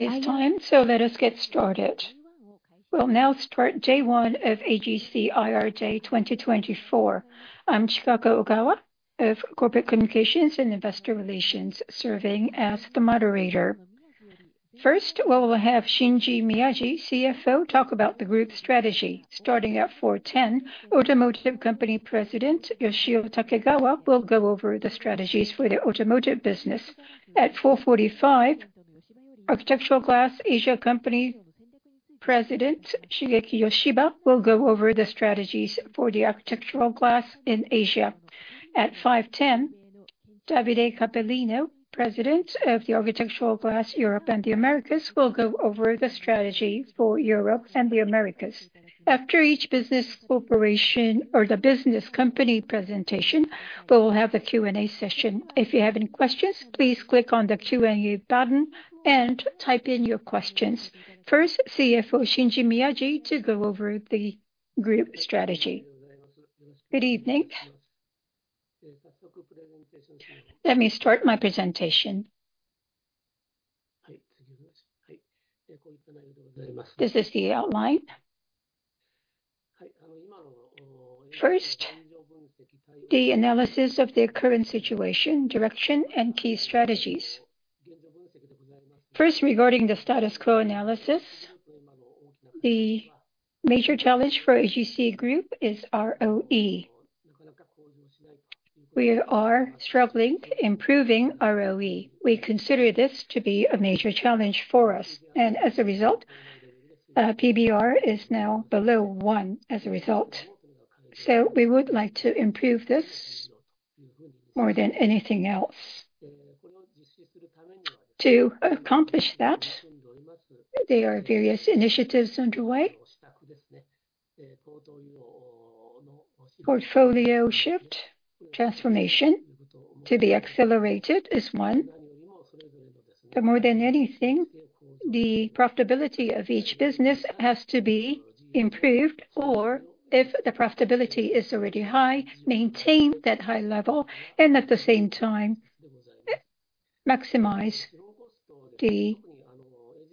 It's time, so let us get started. We'll now start day one of AGC IR Day 2024. I'm Chikako Ogawa of Corporate Communications and Investor Relations, serving as the moderator. First, we will have Shinji Miyaji, CFO, talk about the group strategy. Starting at 4:10, Automotive Company President, Yoshio Takegawa, will go over the strategies for the automotive business. At 4:45, Architectural Glass Asia Company President, Shigeki Yoshiba, will go over the strategies for the architectural glass in Asia. At 5:10, Davide Cappellino, President of the Architectural Glass Europe and the Americas, will go over the strategy for Europe and the Americas. After each business corporation or the business company presentation, we will have a Q&A session. If you have any questions, please click on the Q&A button and type in your questions. First, CFO Shinji Miyaji to go over the group strategy. Good evening. Let me start my presentation. This is the outline. First, the analysis of the current situation, direction, and key strategies. First, regarding the status quo analysis, the major challenge for AGC Group is ROE. We are struggling improving ROE. We consider this to be a major challenge for us, and as a result, PBR is now below 1, as a result. So we would like to improve this more than anything else. To accomplish that, there are various initiatives underway. Portfolio shift transformation to be accelerated is one, but more than anything, the profitability of each business has to be improved, or if the profitability is already high, maintain that high level and at the same time, maximize the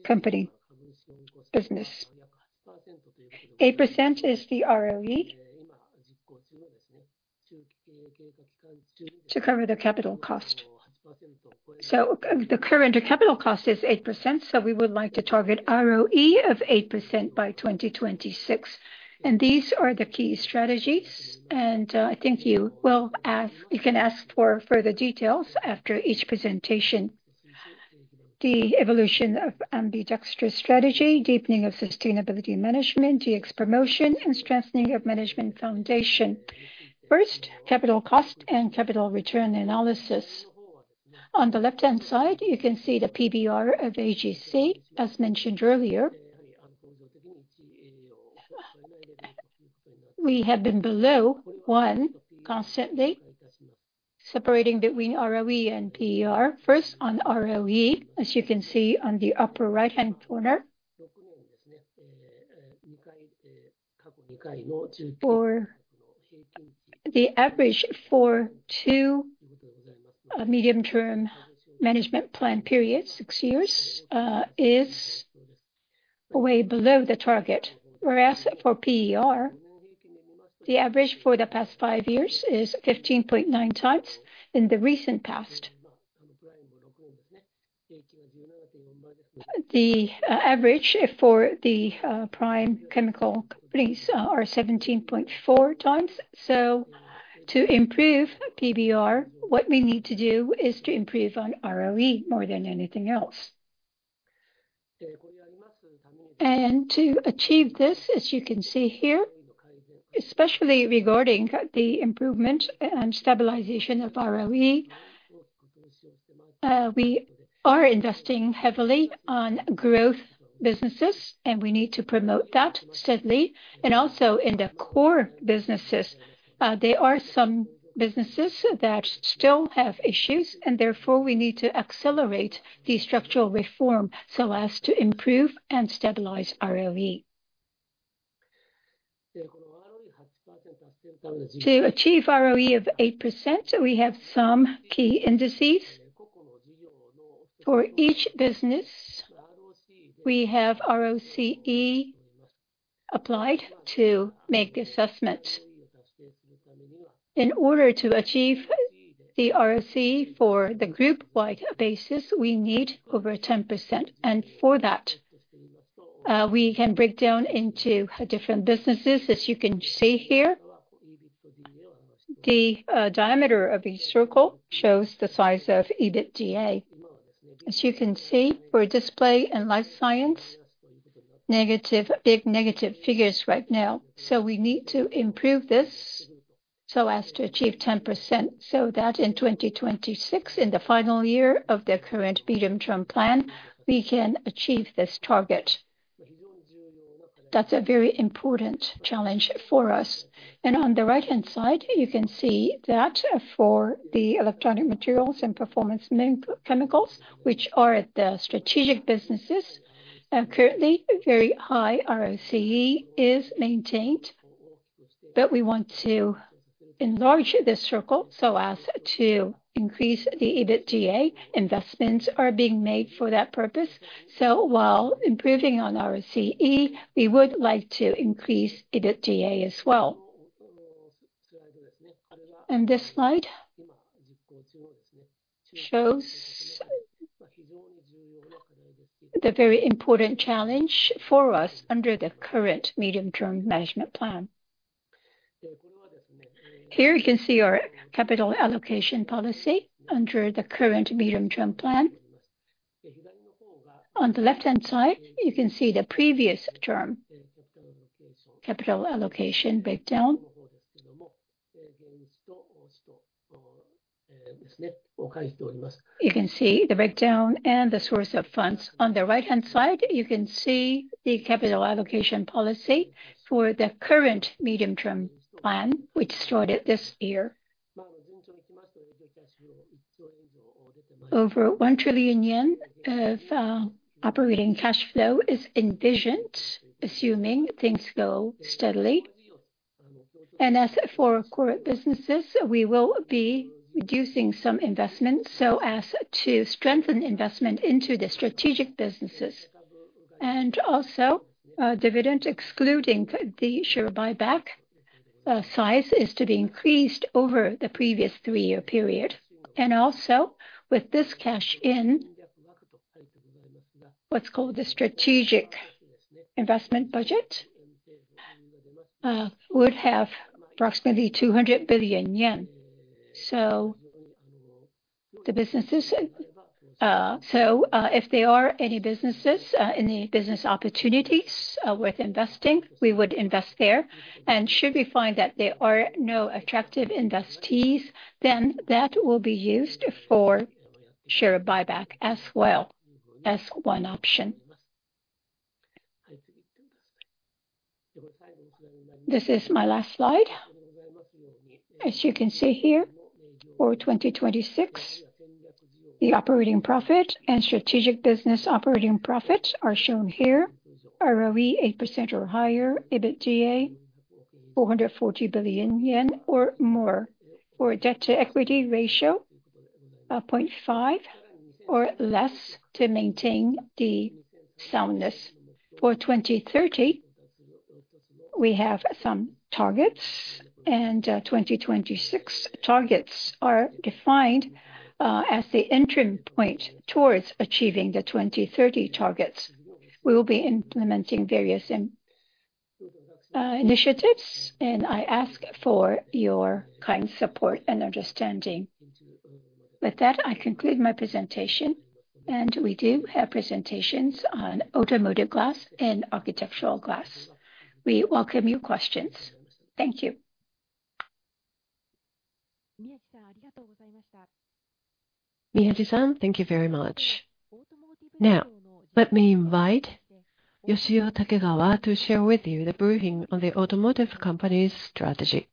company business. 8% is the ROE to cover the capital cost. So, the current capital cost is 8%, so we would like to target ROE of 8% by 2026. These are the key strategies, and I think you will ask... You can ask for further details after each presentation. The evolution of ambidextrous strategy, deepening of sustainability management, DX promotion, and strengthening of management foundation. First, capital cost and capital return analysis. On the left-hand side, you can see the PBR of AGC, as mentioned earlier. We have been below 1 constantly, separating between ROE and PER. First, on ROE, as you can see on the upper right-hand corner, for the average for 2 medium-term management plan periods, 6 years, is way below the target. Whereas for PER, the average for the past 5 years is 15.9 times in the recent past. The average for the prime chemical companies are 17.4x. So to improve PBR, what we need to do is to improve on ROE more than anything else. To achieve this, as you can see here, especially regarding the improvement and stabilization of ROE, we are investing heavily on growth businesses, and we need to promote that steadily. Also, in the core businesses, there are some businesses that still have issues, and therefore, we need to accelerate the structural reform so as to improve and stabilize ROE. To achieve ROE of 8%, we have some key indices. For each business, we have ROCE applied to make assessments. In order to achieve the ROCE for the group-wide basis, we need over 10%, and for that, we can break down into different businesses, as you can see here. The diameter of each circle shows the size of EBITDA. As you can see, for display and life science, negative, big negative figures right now, so we need to improve this so as to achieve 10%, so that in 2026, in the final year of the current medium-term plan, we can achieve this target. That's a very important challenge for us. And on the right-hand side, you can see that for the electronics materials and performance chemicals, which are the strategic businesses, currently a very high ROCE is maintained, but we want to enlarge this circle so as to increase the EBITDA. Investments are being made for that purpose. So while improving on our ROCE, we would like to increase EBITDA as well. And this slide shows the very important challenge for us under the current medium-term management plan. Here you can see our capital allocation policy under the current medium-term plan. On the left-hand side, you can see the previous term capital allocation breakdown. You can see the breakdown and the source of funds. On the right-hand side, you can see the capital allocation policy for the current medium-term plan, which started this year. Over 1 trillion yen of operating cash flow is envisioned, assuming things go steadily. As for core businesses, we will be reducing some investments so as to strengthen investment into the strategic businesses. Dividend, excluding the share buyback, size is to be increased over the previous three-year period. With this cash in, what's called the strategic investment budget, would have approximately 200 billion yen. The businesses... So, if there are any businesses, any business opportunities, worth investing, we would invest there. And should we find that there are no attractive investees, then that will be used for share buyback as well, as one option. This is my last slide. As you can see here, for 2026, the operating profit and strategic business operating profits are shown here, ROE 8% or higher, EBITDA 440 billion yen or more, for debt-to-equity ratio of 0.5 or less to maintain the soundness. For 2030, we have some targets, and, 2026 targets are defined, as the interim point towards achieving the 2030 targets. We will be implementing various initiatives, and I ask for your kind support and understanding. With that, I conclude my presentation, and we do have presentations on automotive glass and architectural glass. We welcome your questions. Thank you. Miyaji-san, thank you very much. Now, let me invite Yoshio Takegawa to share with you the briefing on the automotive company's strategy.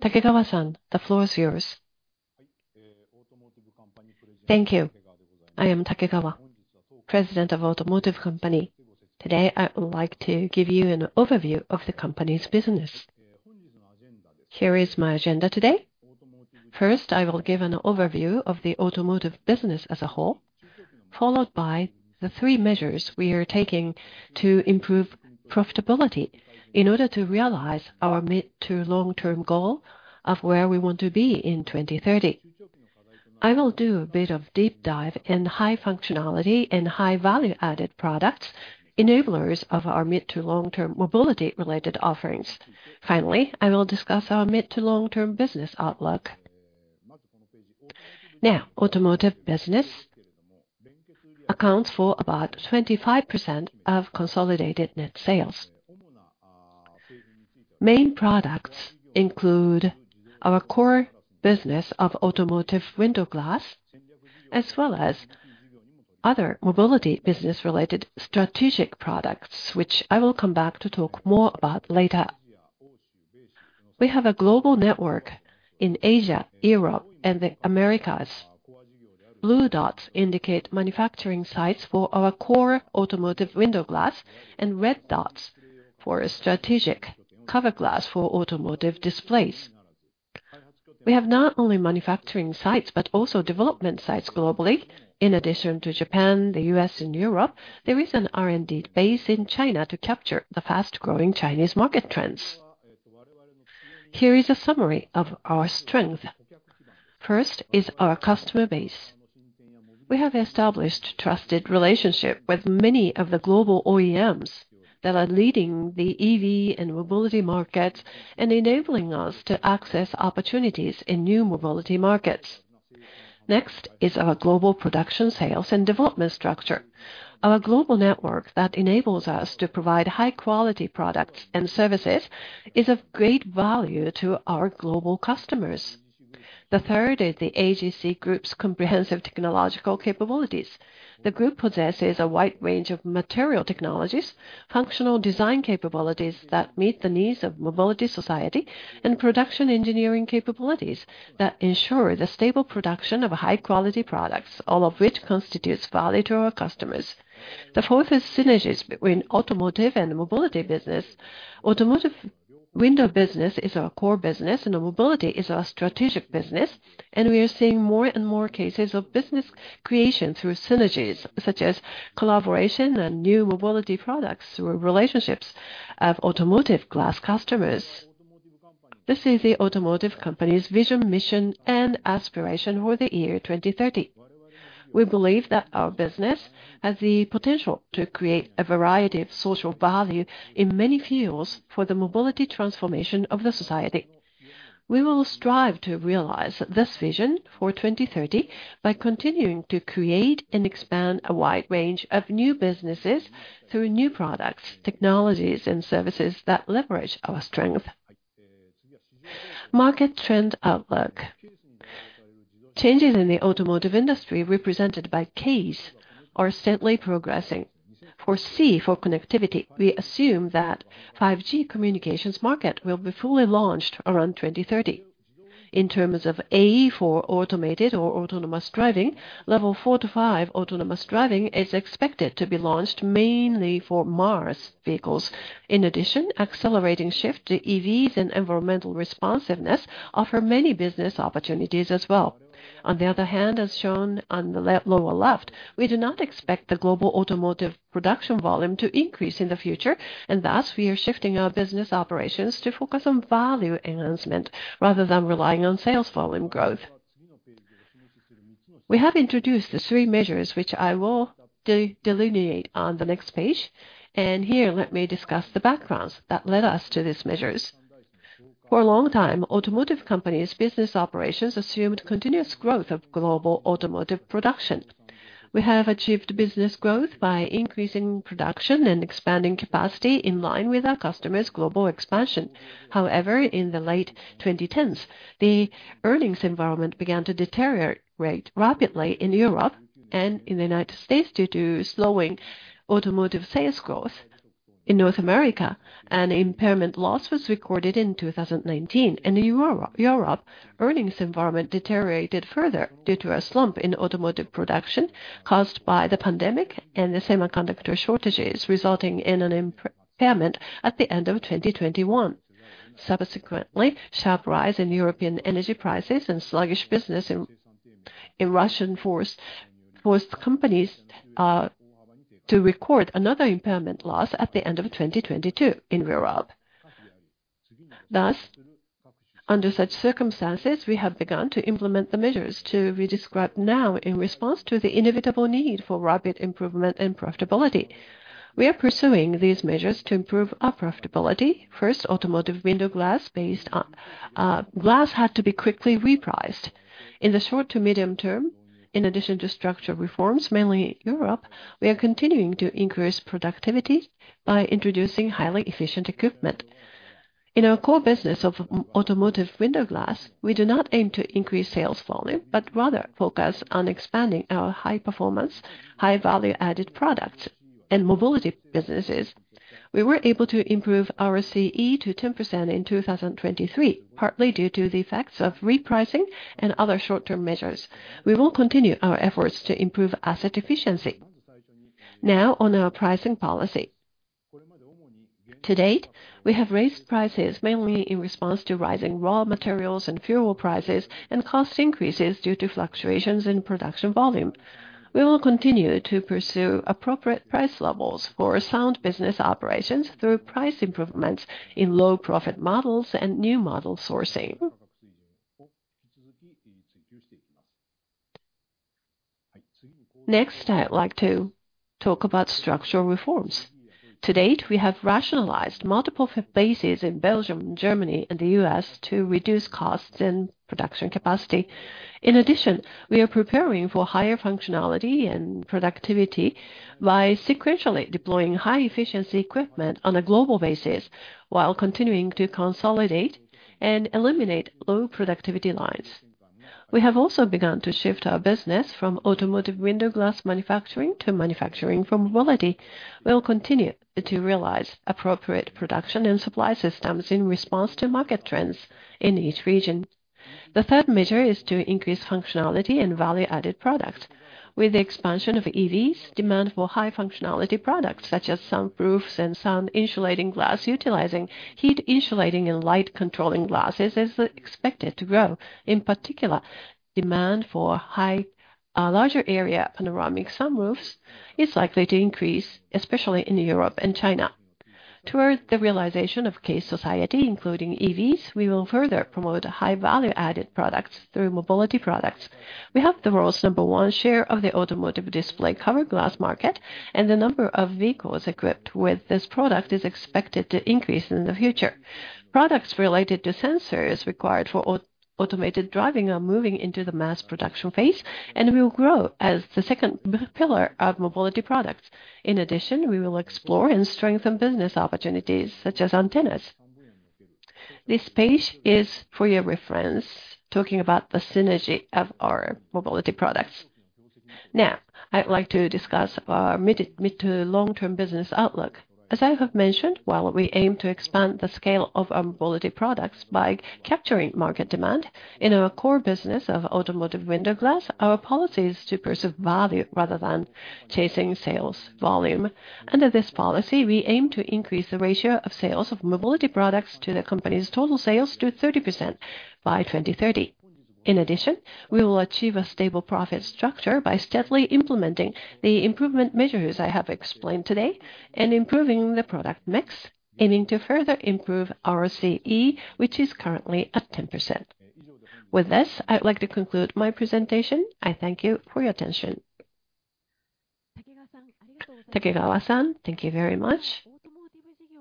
Takegawa-san, the floor is yours. Thank you. I am Takegawa, President of Automotive Company. Today, I would like to give you an overview of the company's business. Here is my agenda today. First, I will give an overview of the automotive business as a whole, followed by the three measures we are taking to improve profitability in order to realize our mid- to long-term goal of where we want to be in 2030. I will do a bit of deep dive in high functionality and high value-added products, enablers of our mid- to long-term mobility-related offerings. Finally, I will discuss our mid- to long-term business outlook. Now, automotive business accounts for about 25% of consolidated net sales. Main products include our core business of automotive window glass, as well as other mobility business-related strategic products, which I will come back to talk more about later. We have a global network in Asia, Europe, and the Americas. Blue dots indicate manufacturing sites for our core automotive window glass, and red dots for a strategic cover glass for automotive displays. We have not only manufacturing sites, but also development sites globally. In addition to Japan, the U.S., and Europe, there is an R&D base in China to capture the fast-growing Chinese market trends. Here is a summary of our strength. First is our customer base. We have established trusted relationship with many of the global OEMs that are leading the EV and mobility markets and enabling us to access opportunities in new mobility markets. Next is our global production, sales, and development structure. Our global network that enables us to provide high-quality products and services is of great value to our global customers. The third is the AGC Group's comprehensive technological capabilities. The group possesses a wide range of material technologies, functional design capabilities that meet the needs of mobility society, and production engineering capabilities that ensure the stable production of high-quality products, all of which constitutes value to our customers. The fourth is synergies between automotive and mobility business. Automotive window business is our core business, and mobility is our strategic business, and we are seeing more and more cases of business creation through synergies, such as collaboration and new mobility products through relationships of automotive glass customers. This is the automotive company's vision, mission, and aspiration for the year 2030. We believe that our business has the potential to create a variety of social value in many fields for the mobility transformation of the society. We will strive to realize this vision for 2030 by continuing to create and expand a wide range of new businesses through new products, technologies, and services that leverage our strength. Market trend outlook. Changes in the automotive industry, represented by CASE, are steadily progressing. For C, for connectivity, we assume that 5G communications market will be fully launched around 2030. In terms of A, for automated or autonomous driving, level 4-5 autonomous driving is expected to be launched mainly for MaaS vehicles. In addition, accelerating shift to EVs and environmental responsiveness offer many business opportunities as well. On the other hand, as shown on the lower left, we do not expect the global automotive production volume to increase in the future, and thus, we are shifting our business operations to focus on value enhancement, rather than relying on sales volume growth. We have introduced the three measures, which I will delineate on the next page, and here, let me discuss the backgrounds that led us to these measures. For a long time, automotive companies' business operations assumed continuous growth of global automotive production. We have achieved business growth by increasing production and expanding capacity in line with our customers' global expansion. However, in the late 2010s, the earnings environment began to deteriorate rapidly in Europe and in the United States due to slowing automotive sales growth. In North America, an impairment loss was recorded in 2019, and in Europe, earnings environment deteriorated further due to a slump in automotive production caused by the pandemic and the semiconductor shortages, resulting in an impairment at the end of 2021. Subsequently, sharp rise in European energy prices and sluggish business in Russia forced companies to record another impairment loss at the end of 2022 in Europe. Thus, under such circumstances, we have begun to implement the measures to be described now in response to the inevitable need for rapid improvement in profitability. We are pursuing these measures to improve our profitability. First, automotive window glass based on glass had to be quickly repriced. In the short to medium term, in addition to structural reforms, mainly Europe, we are continuing to increase productivity by introducing highly efficient equipment. In our core business of automotive window glass, we do not aim to increase sales volume, but rather focus on expanding our high performance, high value-added products and mobility businesses. We were able to improve our CE to 10% in 2023, partly due to the effects of repricing and other short-term measures. We will continue our efforts to improve asset efficiency. Now, on our pricing policy. To date, we have raised prices mainly in response to rising raw materials and fuel prices and cost increases due to fluctuations in production volume. We will continue to pursue appropriate price levels for sound business operations through price improvements in low profit models and new model sourcing. Next, I'd like to talk about structural reforms. To date, we have rationalized multiple bases in Belgium, Germany, and the U.S. to reduce costs and production capacity. In addition, we are preparing for higher functionality and productivity by sequentially deploying high efficiency equipment on a global basis while continuing to consolidate and eliminate low productivity lines. We have also begun to shift our business from automotive window glass manufacturing to manufacturing for mobility. We will continue to realize appropriate production and supply systems in response to market trends in each region. The third measure is to increase functionality and value-added product. With the expansion of EVs, demand for high functionality products, such as sun roofs and sun insulating glass, utilizing heat insulating and light controlling glasses, is expected to grow. In particular, demand for high, larger area panoramic sun roofs is likely to increase, especially in Europe and China. Towards the realization of CASE society, including EVs, we will further promote high value-added products through mobility products. We have the world's number 1 share of the automotive display cover glass market, and the number of vehicles equipped with this product is expected to increase in the future. Products related to sensors required for automated driving are moving into the mass production phase and will grow as the second pillar of mobility products. In addition, we will explore and strengthen business opportunities, such as antennas. This page is for your reference, talking about the synergy of our mobility products. Now, I'd like to discuss our mid- to long-term business outlook. As I have mentioned, while we aim to expand the scale of our mobility products by capturing market demand, in our core business of automotive window glass, our policy is to pursue value rather than chasing sales volume. Under this policy, we aim to increase the ratio of sales of mobility products to the company's total sales to 30% by 2030. In addition, we will achieve a stable profit structure by steadily implementing the improvement measures I have explained today, and improving the product mix, aiming to further improve our CE, which is currently at 10%. With this, I'd like to conclude my presentation. I thank you for your attention. Takegawa-san, thank you very much.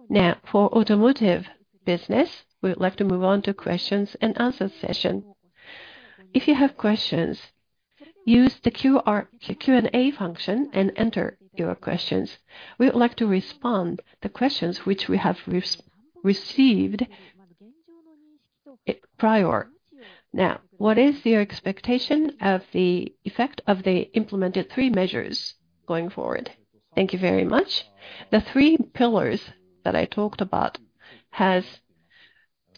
Now, for automotive business, we would like to move on to questions and answer session. If you have questions, use the QR, Q&A function and enter your questions. We would like to respond the questions which we have received it prior. Now, what is your expectation of the effect of the implemented three measures going forward? Thank you very much. The three pillars that I talked about has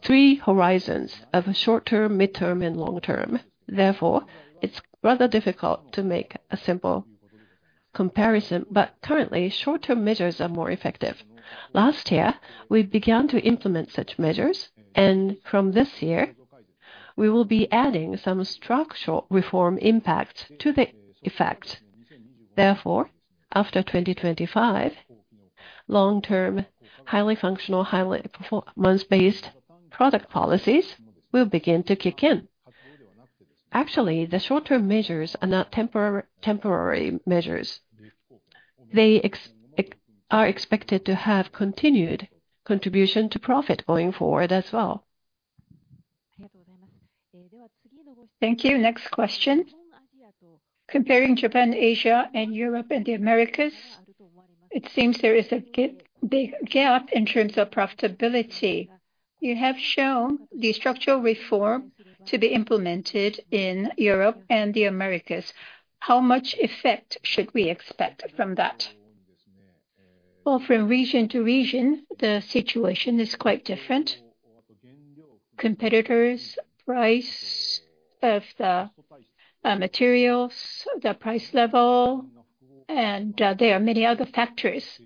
three horizons of short term, midterm, and long term. Therefore, it's rather difficult to make a simple comparison, but currently, short-term measures are more effective. Last year, we began to implement such measures, and from this year, we will be adding some structural reform impacts to the effect. Therefore, after 2025, long-term, highly functional, highly performance-based product policies will begin to kick in. Actually, the short-term measures are not temporary measures. They are expected to have continued contribution to profit going forward as well. Thank you. Next question. Comparing Japan, Asia, and Europe, and the Americas, it seems there is a big gap in terms of profitability. You have shown the structural reform to be implemented in Europe and the Americas. How much effect should we expect from that? Well, from region to region, the situation is quite different. Competitors, price of the materials, the price level, and there are many other factors that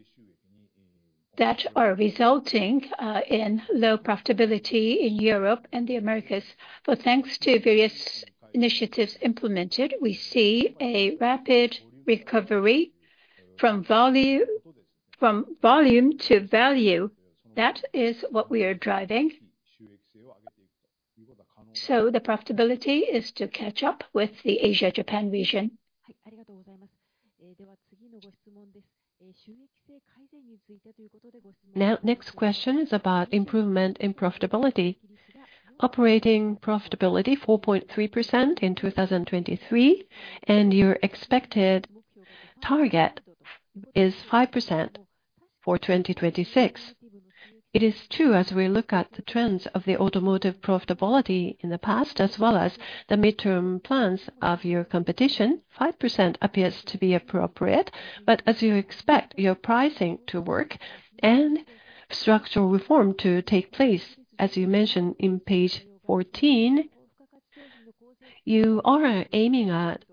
are resulting in low profitability in Europe and the Americas. But thanks to various initiatives implemented, we see a rapid recovery from volume, from volume to value. That is what we are driving. So the profitability is to catch up with the Asia, Japan region. Now, next question is about improvement in profitability. Operating profitability, 4.3% in 2023, and your expected target is 5% for 2026. It is true, as we look at the trends of the automotive profitability in the past, as well as the midterm plans of your competition, 5% appears to be appropriate. But as you expect your pricing to work and structural reform to take place, as you mentioned in page 14, you are aiming at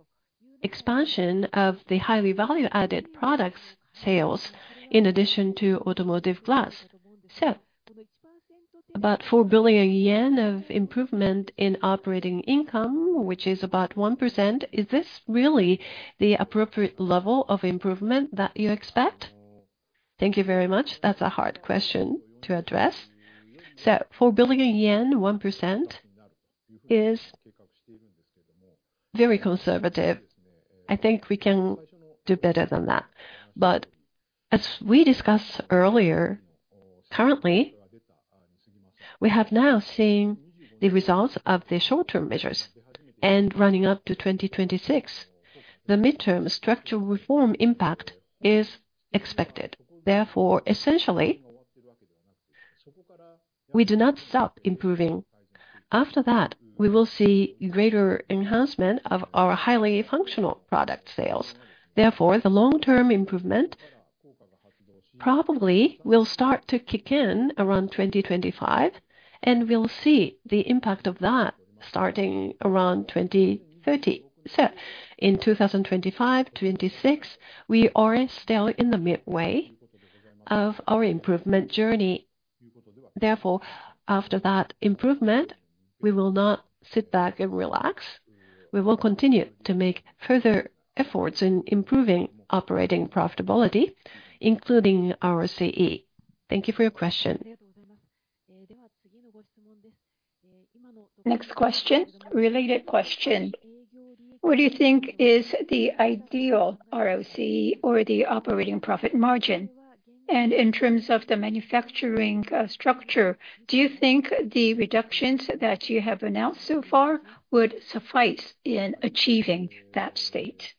expansion of the highly value-added products sales, in addition to automotive glass. So about 4 billion yen of improvement in operating income, which is about 1%, is this really the appropriate level of improvement that you expect? Thank you very much. That's a hard question to address. So for billion yen, 1% is very conservative. I think we can do better than that. But as we discussed earlier, currently, we have now seen the results of the short-term measures. And running up to 2026, the midterm structural reform impact is expected. Therefore, essentially, we do not stop improving. After that, we will see greater enhancement of our highly functional product sales. Therefore, the long-term improvement probably will start to kick in around 2025, and we'll see the impact of that starting around 2030. So in 2025, 2026, we are still in the midway of our improvement journey. Therefore, after that improvement, we will not sit back and relax. We will continue to make further efforts in improving operating profitability, including our CE. Thank you for your question. Next question, related question: What do you think is the ideal ROCE or the operating profit margin? And in terms of the manufacturing structure, do you think the reductions that you have announced so far would suffice in achieving that state?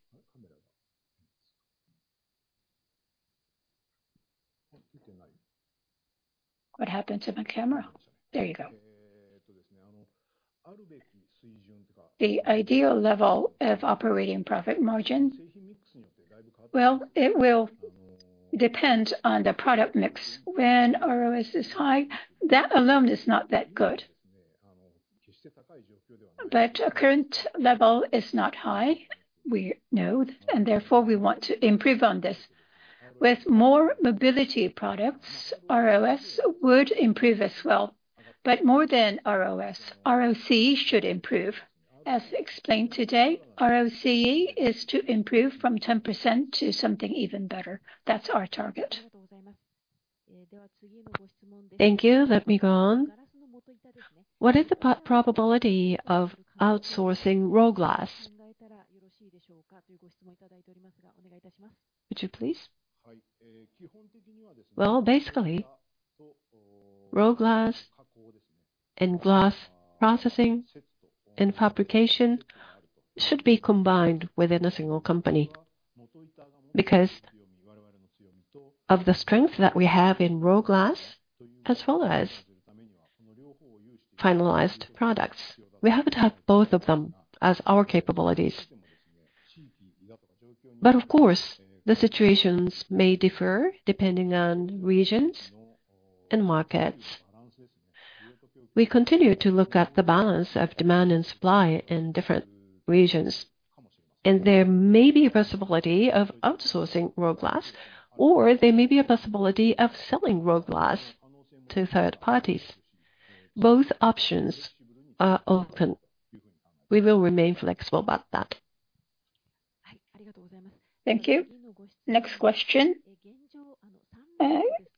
What happened to my camera? There you go. The ideal level of operating profit margin, well, it will depend on the product mix. When ROS is high, that alone is not that good. But our current level is not high, we know, and therefore, we want to improve on this. With more mobility products, ROS would improve as well. But more than ROS, ROCE should improve. As explained today, ROCE is to improve from 10% to something even better. That's our target. Thank you. Let me go on. What is the probability of outsourcing raw glass? Would you please? Well, basically, raw glass and glass processing and fabrication should be combined within a single company. Because of the strength that we have in raw glass, as well as finalized products, we have to have both of them as our capabilities. But of course, the situations may differ depending on regions and markets. We continue to look at the balance of demand and supply in different regions, and there may be a possibility of outsourcing raw glass, or there may be a possibility of selling raw glass to third parties. Both options are open. We will remain flexible about that. Thank you. Next question.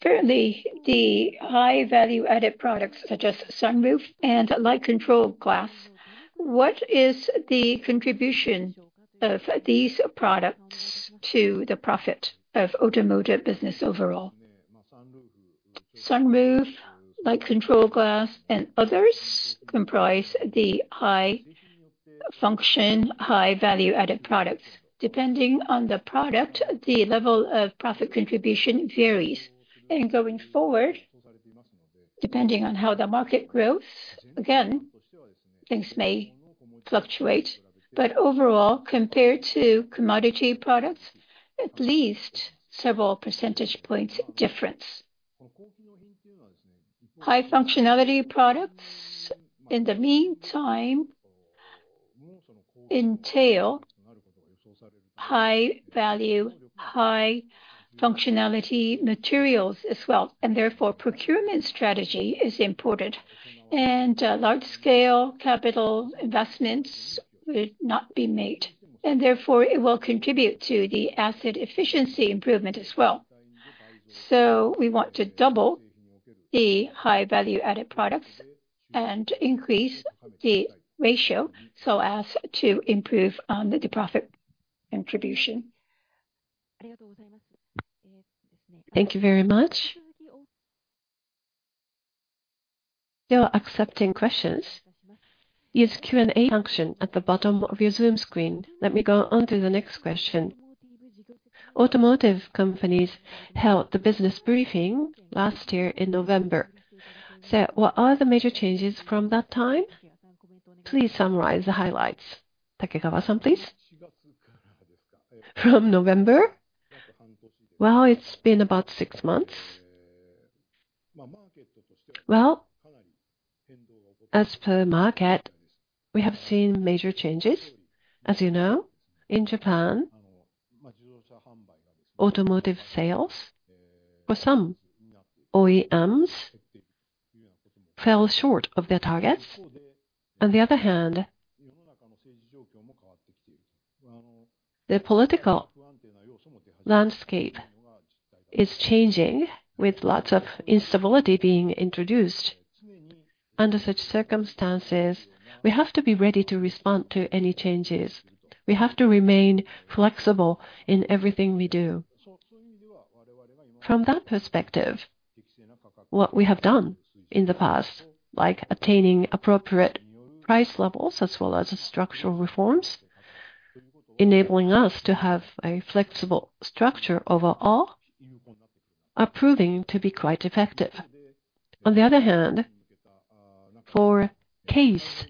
Currently, the high value-added products, such as sunroof and light control glass, what is the contribution of these products to the profit of automotive business overall? Sunroof, light control glass, and others comprise the high function, high value-added products. Depending on the product, the level of profit contribution varies. Going forward, depending on how the market grows, again, things may fluctuate. Overall, compared to commodity products, at least several percentage points difference. High functionality products, in the meantime, entail high value, high functionality materials as well, and therefore, procurement strategy is important. Large scale capital investments will not be made, and therefore, it will contribute to the asset efficiency improvement as well. We want to double the high value-added products and increase the ratio so as to improve the profit contribution. Thank you very much. Still accepting questions. Use Q&A function at the bottom of your Zoom screen. Let me go on to the next question. Automotive Company held the business briefing last year in November. So what are the major changes from that time? Please summarize the highlights. Takegawa-san, please. From November? Well, it's been about six months. Well, as per market, we have seen major changes. As you know, in Japan, automotive sales for some OEMs fell short of their targets. On the other hand, the political landscape is changing, with lots of instability being introduced. Under such circumstances, we have to be ready to respond to any changes. We have to remain flexible in everything we do. From that perspective, what we have done in the past, like attaining appropriate price levels as well as structural reforms, enabling us to have a flexible structure overall, are proving to be quite effective. On the other hand, for CASE,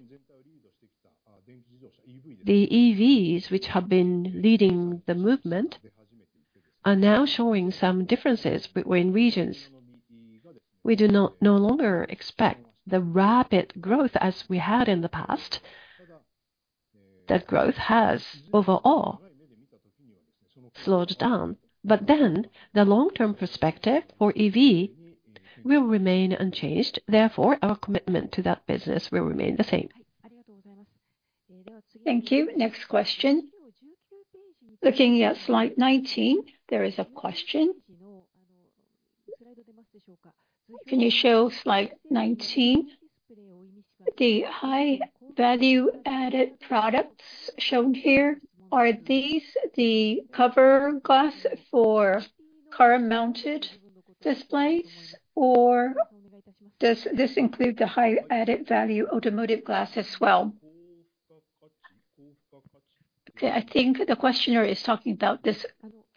the EVs, which have been leading the movement, are now showing some differences between regions. We no longer expect the rapid growth as we had in the past. That growth has overall slowed down, but then the long-term perspective for EV will remain unchanged, therefore, our commitment to that business will remain the same. Thank you. Next question. Looking at slide 19, there is a question. Can you show slide 19? The high value-added products shown here, are these the cover glass for car-mounted displays, or does this include the high added value automotive glass as well? Okay, I think the questioner is talking about this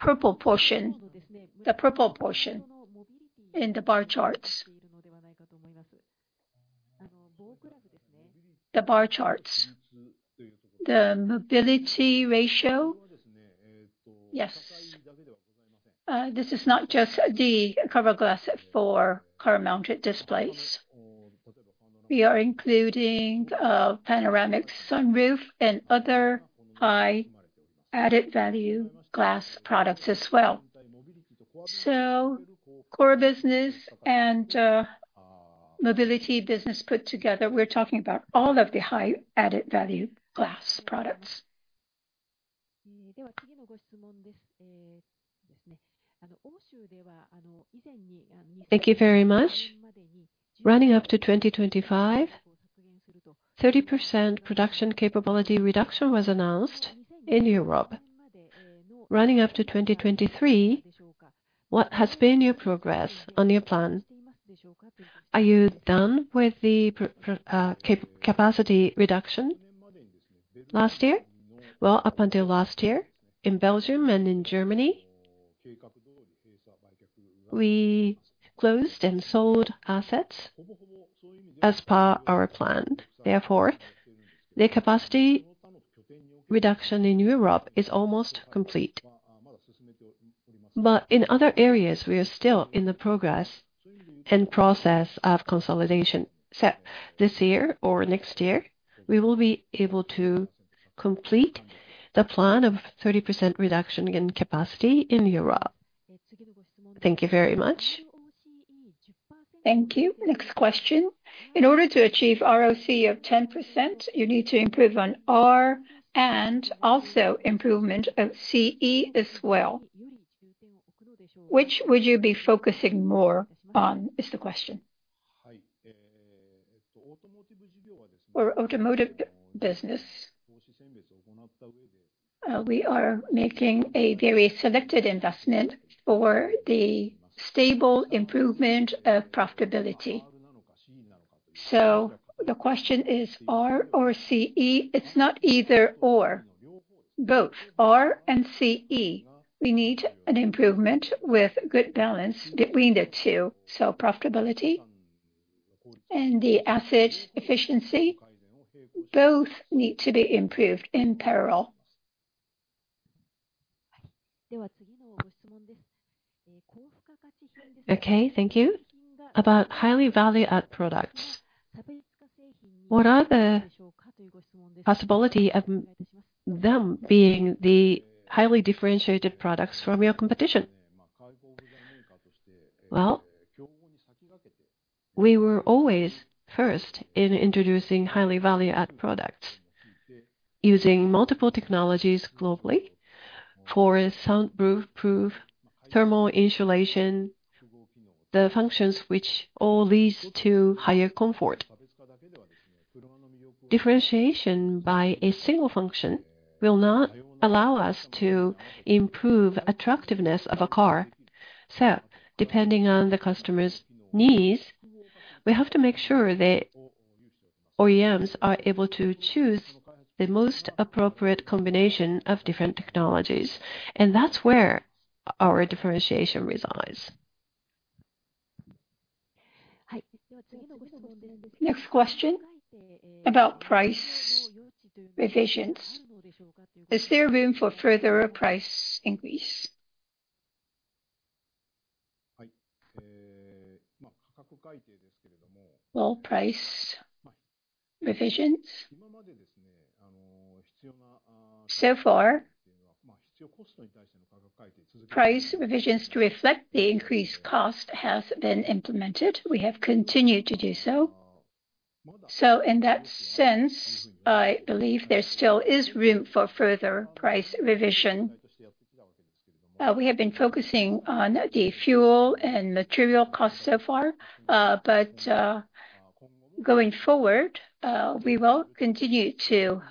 purple portion, the purple portion in the bar charts. The bar charts. The mobility ratio? Yes. This is not just the cover glass for car-mounted displays. We are including panoramic sunroof and other high added value glass products as well. So core business and mobility business put together, we're talking about all of the high added value glass products. Thank you very much. Running up to 2025, 30% production capability reduction was announced in Europe. Running up to 2023, what has been your progress on your plan? Are you done with the capacity reduction? Last year? Well, up until last year, in Belgium and in Germany, we closed and sold assets as per our plan. Therefore, the capacity reduction in Europe is almost complete. But in other areas, we are still in the progress and process of consolidation. So this year or next year, we will be able to complete the plan of 30% reduction in capacity in Europe. Thank you very much. Thank you. Next question: in order to achieve ROCE of 10%, you need to improve on R and also improvement of CE as well. Which would you be focusing more on, is the question. For automotive business, we are making a very selected investment for the stable improvement of profitability. So the question is R or CE? It's not either/or, both R and CE. We need an improvement with good balance between the two. So profitability and the asset efficiency, both need to be improved in parallel. Okay, thank you. About highly value add products, what are the possibility of them being the highly differentiated products from your competition? Well, we were always first in introducing highly value add products, using multiple technologies globally for soundproof, thermal insulation, the functions which all leads to higher comfort. Differentiation by a single function will not allow us to improve attractiveness of a car. So depending on the customer's needs, we have to make sure the OEMs are able to choose the most appropriate combination of different technologies, and that's where our differentiation resides. Next question, about price revisions. Is there room for further price increase? Well, price revisions. So far, price revisions to reflect the increased cost has been implemented. We have continued to do so. So in that sense, I believe there still is room for further price revision. We have been focusing on the fuel and material costs so far, but, going forward, we will continue to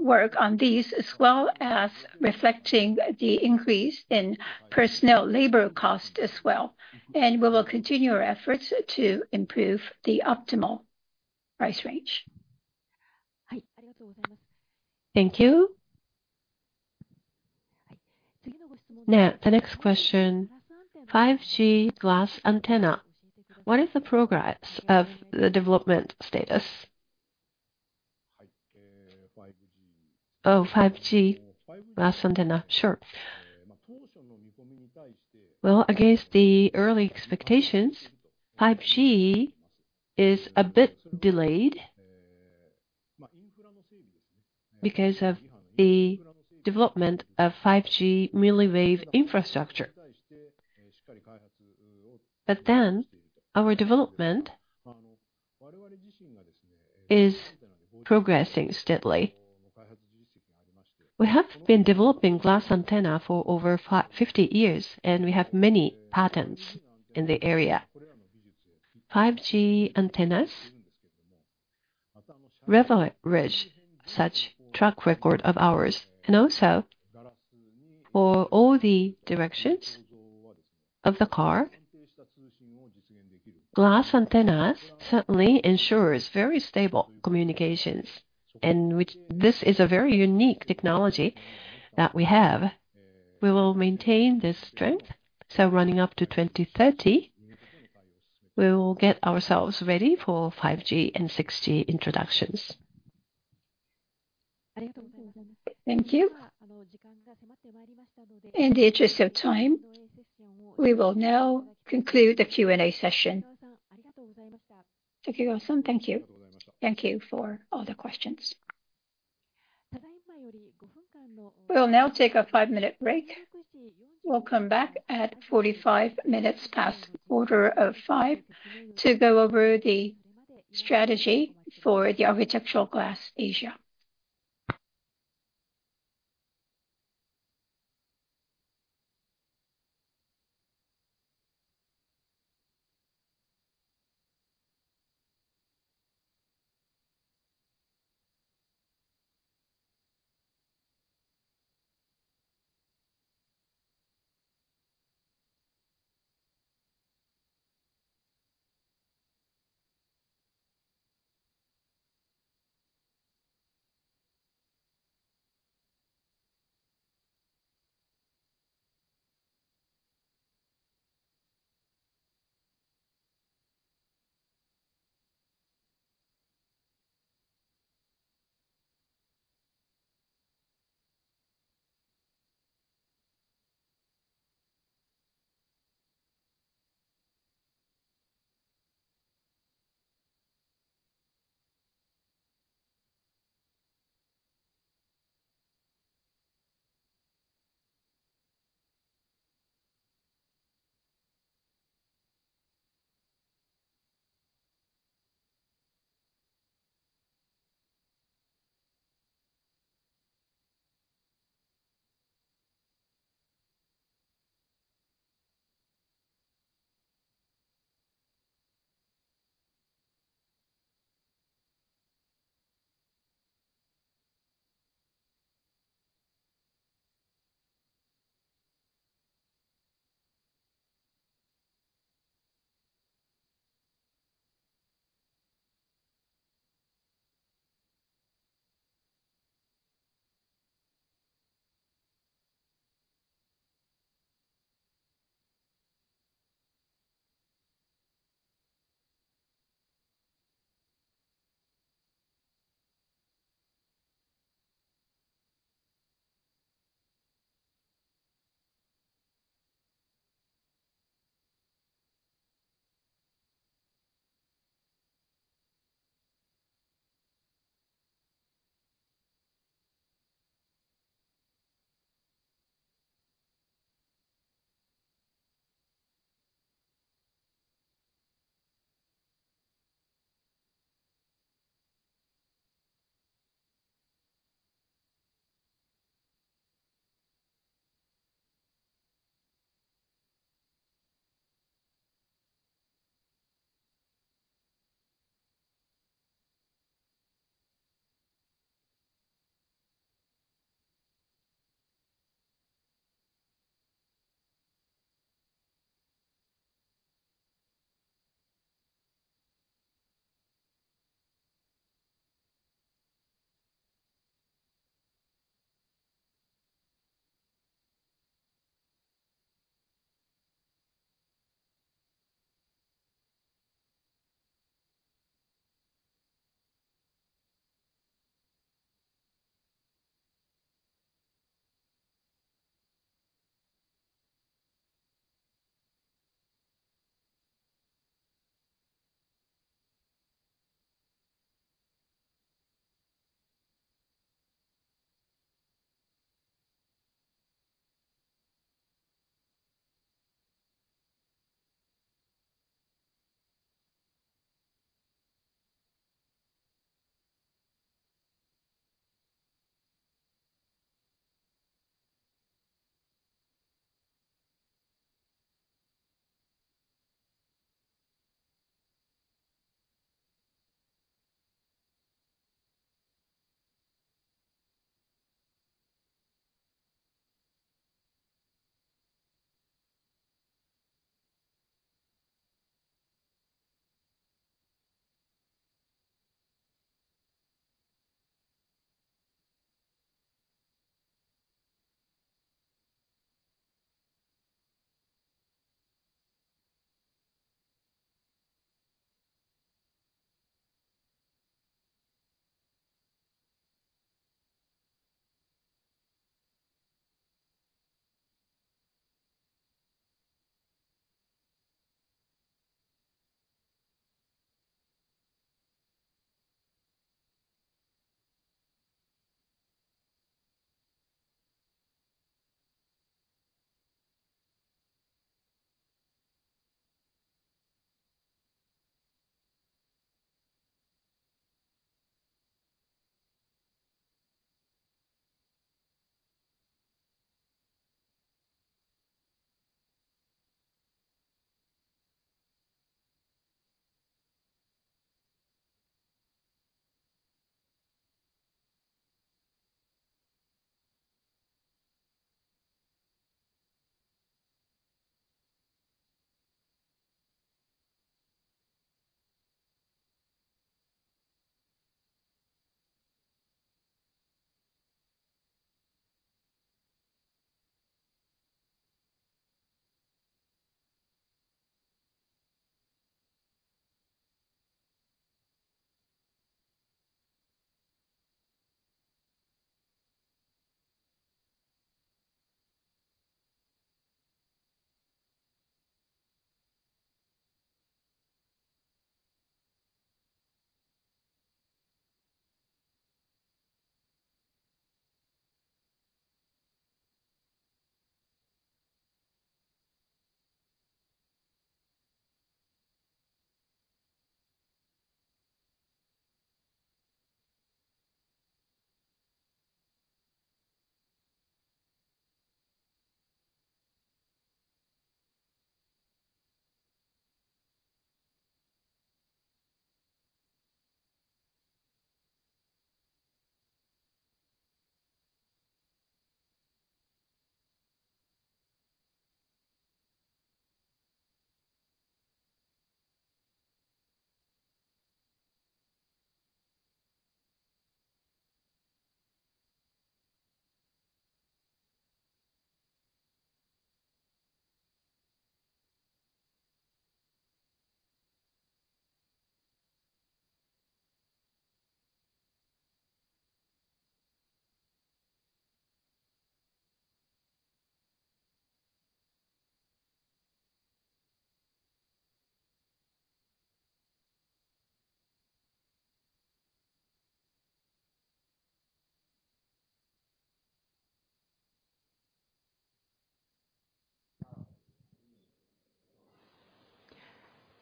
work on these, as well as reflecting the increase in personnel labor cost as well. We will continue our efforts to improve the optimal price range. Thank you. Now, the next question, 5G glass antenna. What is the progress of the development status? Oh, 5G glass antenna. Sure. Well, against the early expectations, 5G is a bit delayed because of the development of 5G millimeter-wave infrastructure. But then our development is progressing steadily. We have been developing glass antenna for over fifty years, and we have many patents in the area. 5G antennas leverage such track record of ours, and also for all the directions of the car, glass antennas certainly ensures very stable communications, and which this is a very unique technology that we have. We will maintain this strength, so running up to 2030, we will get ourselves ready for 5G and 6G introductions. Thank you. In the interest of time, we will now conclude the Q&A session. Takegawa-san, thank you. Thank you for all the questions. We will now take a 5-minute break. We'll come back at 45 minutes past quarter of 5 to go over the strategy for the architectural glass Asia....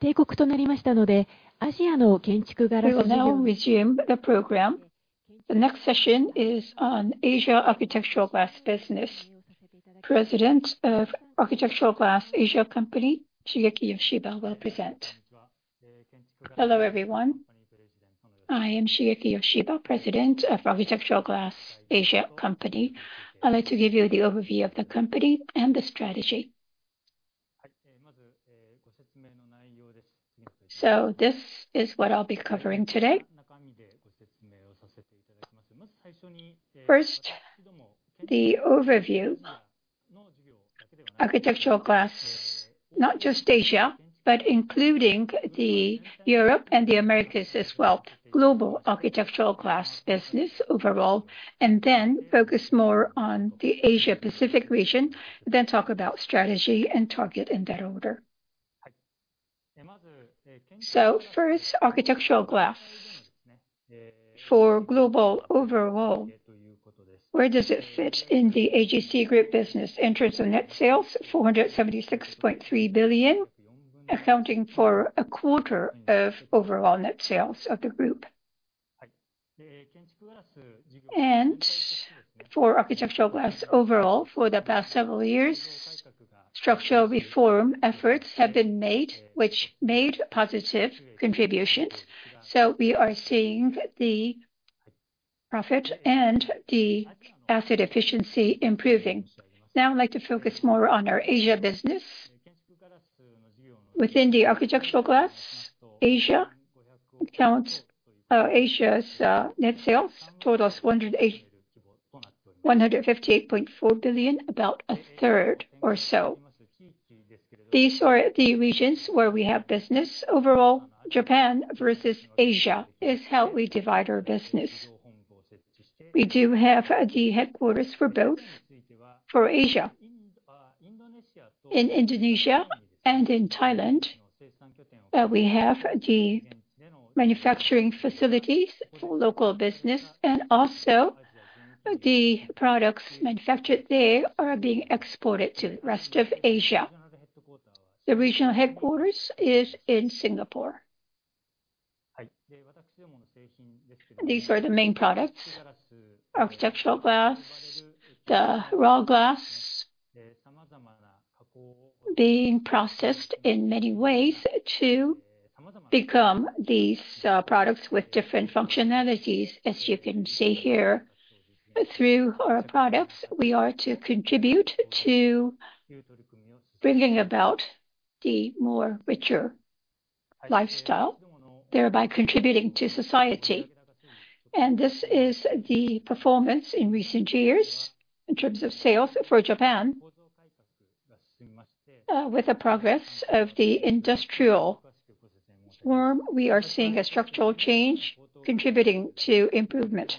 We will now resume the program. The next session is on Asia architectural glass business. President of Architectural Glass Asia Pacific Company, Shigeki Yoshiba, will present. Hello, everyone. I am Shigeki Yoshiba, president of Architectural Glass Asia Pacific Company. I'd like to give you the overview of the company and the strategy. So this is what I'll be covering today. First, the overview. Architectural glass, not just Asia, but including the Europe and the Americas as well, global architectural glass business overall, and then focus more on the Asia Pacific region, then talk about strategy and target in that order. So first, architectural glass. For global overall, where does it fit in the AGC Group business? In terms of net sales, 476.3 billion, accounting for a quarter of overall net sales of the group. For architectural glass overall, for the past several years, structural reform efforts have been made, which made positive contributions. We are seeing the profit and the asset efficiency improving. Now, I'd like to focus more on our Asia business. Within the architectural glass, Asia accounts, Asia's net sales totals 158.4 billion, about a third or so. These are the regions where we have business. Overall, Japan versus Asia is how we divide our business. We do have the headquarters for both. For Asia, in Indonesia and in Thailand, we have the manufacturing facilities for local business, and also the products manufactured there are being exported to the rest of Asia. The regional headquarters is in Singapore. These are the main products, architectural glass, the raw glass, being processed in many ways to become these products with different functionalities, as you can see here. Through our products, we are to contribute to bringing about the more richer lifestyle, thereby contributing to society. This is the performance in recent years in terms of sales for Japan. With the progress of the industrial reform, we are seeing a structural change contributing to improvement.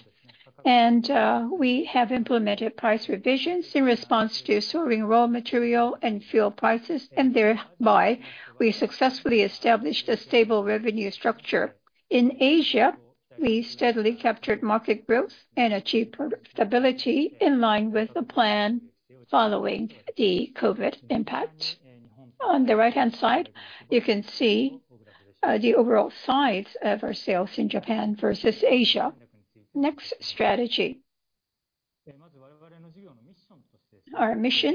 We have implemented price revisions in response to soaring raw material and fuel prices, and thereby we successfully established a stable revenue structure. In Asia, we steadily captured market growth and achieved profit stability in line with the plan following the COVID impact. On the right-hand side, you can see the overall size of our sales in Japan versus Asia. Next, strategy. Our mission,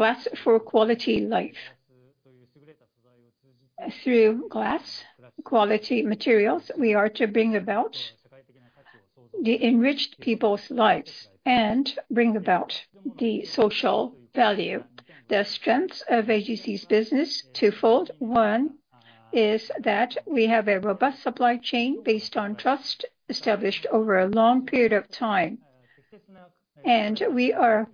glass for quality life. Through glass quality materials, we are to bring about the enriched people's lives and bring about the social value. The strength of AGC's business, twofold. One is that we have a robust supply chain based on trust established over a long period of time, and we are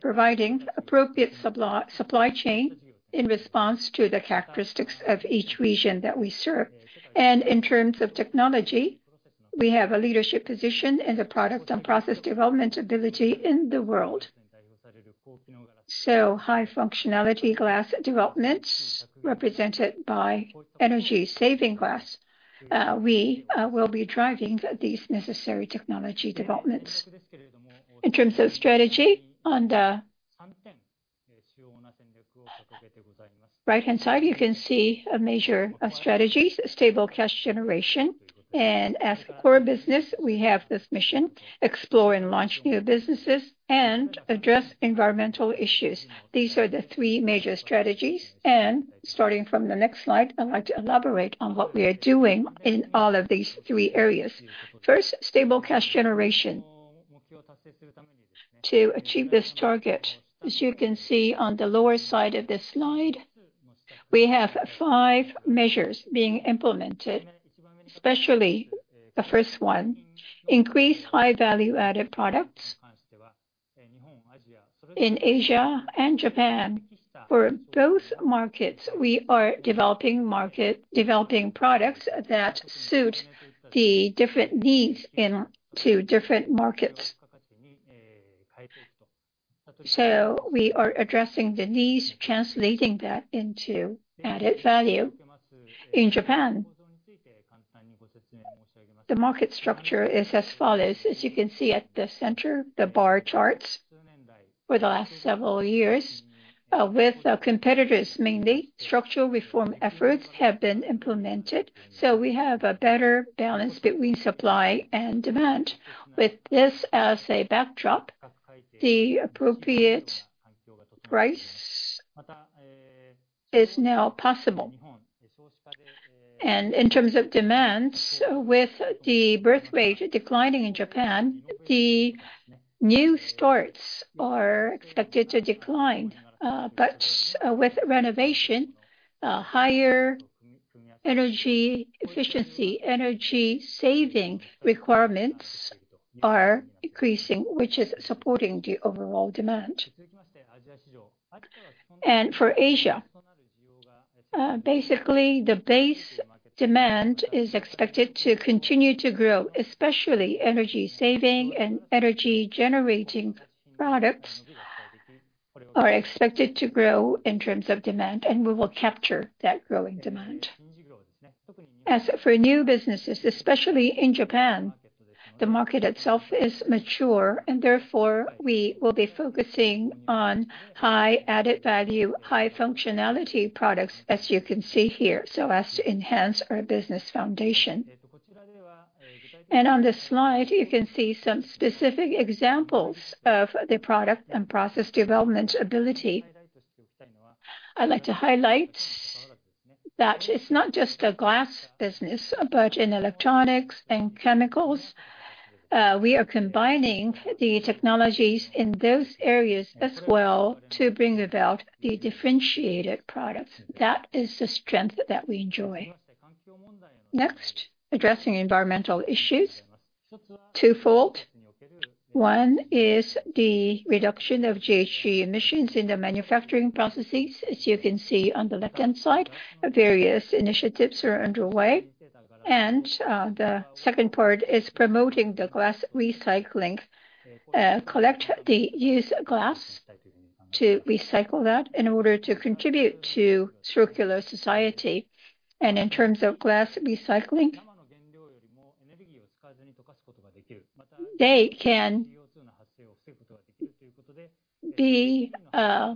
providing appropriate supply, supply chain in response to the characteristics of each region that we serve. And in terms of technology, we have a leadership position in the product and process development ability in the world. So high functionality glass developments, represented by energy saving glass, we will be driving these necessary technology developments. In terms of strategy, on the right-hand side, you can see a measure of strategies, stable cash generation. As a core business, we have this mission, explore and launch new businesses and address environmental issues. These are the three major strategies, and starting from the next slide, I'd like to elaborate on what we are doing in all of these three areas. First, stable cash generation. To achieve this target, as you can see on the lower side of this slide, we have five measures being implemented, especially the first one, increase high value-added products. In Asia and Japan, for both markets, we are developing market-developing products that suit the different needs in two different markets. So we are addressing the needs, translating that into added value. In Japan, the market structure is as follows. As you can see at the center, the bar charts, for the last several years, with our competitors, mainly, structural reform efforts have been implemented, so we have a better balance between supply and demand. With this as a backdrop, the appropriate price is now possible. In terms of demands, with the birth rate declining in Japan, the new starts are expected to decline. But with renovation, higher energy efficiency, energy saving requirements are increasing, which is supporting the overall demand. For Asia, basically, the base demand is expected to continue to grow, especially energy saving and energy generating products are expected to grow in terms of demand, and we will capture that growing demand. As for new businesses, especially in Japan, the market itself is mature, and therefore, we will be focusing on high added value, high functionality products, as you can see here, so as to enhance our business foundation. And on this slide, you can see some specific examples of the product and process development ability. I'd like to highlight that it's not just a glass business, but in electronics and chemicals, we are combining the technologies in those areas as well to bring about the differentiated products. That is the strength that we enjoy. Next, addressing environmental issues. Twofold. One is the reduction of GHG emissions in the manufacturing processes. As you can see on the left-hand side, various initiatives are underway. And, the second part is promoting the glass recycling. Collect the used glass to recycle that in order to contribute to circular society. In terms of glass recycling, they can be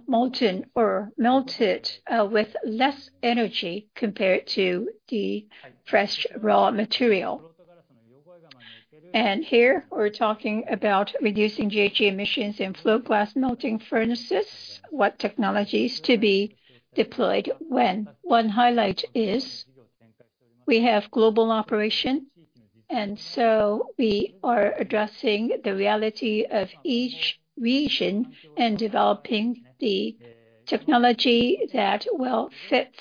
molten or melted with less energy compared to the fresh, raw material. Here, we're talking about reducing GHG emissions in float glass melting furnaces, what technologies to be deployed when. One highlight is we have global operation, and so we are addressing the reality of each region and developing the technology that will fit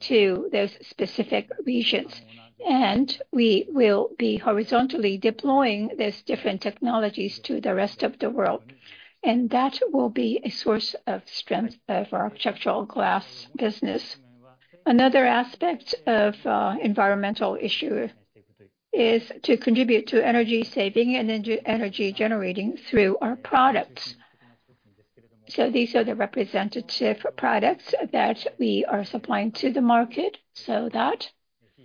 to those specific regions. We will be horizontally deploying these different technologies to the rest of the world, and that will be a source of strength of our structural glass business. Another aspect of environmental issue is to contribute to energy saving and energy generating through our products. These are the representative products that we are supplying to the market, so that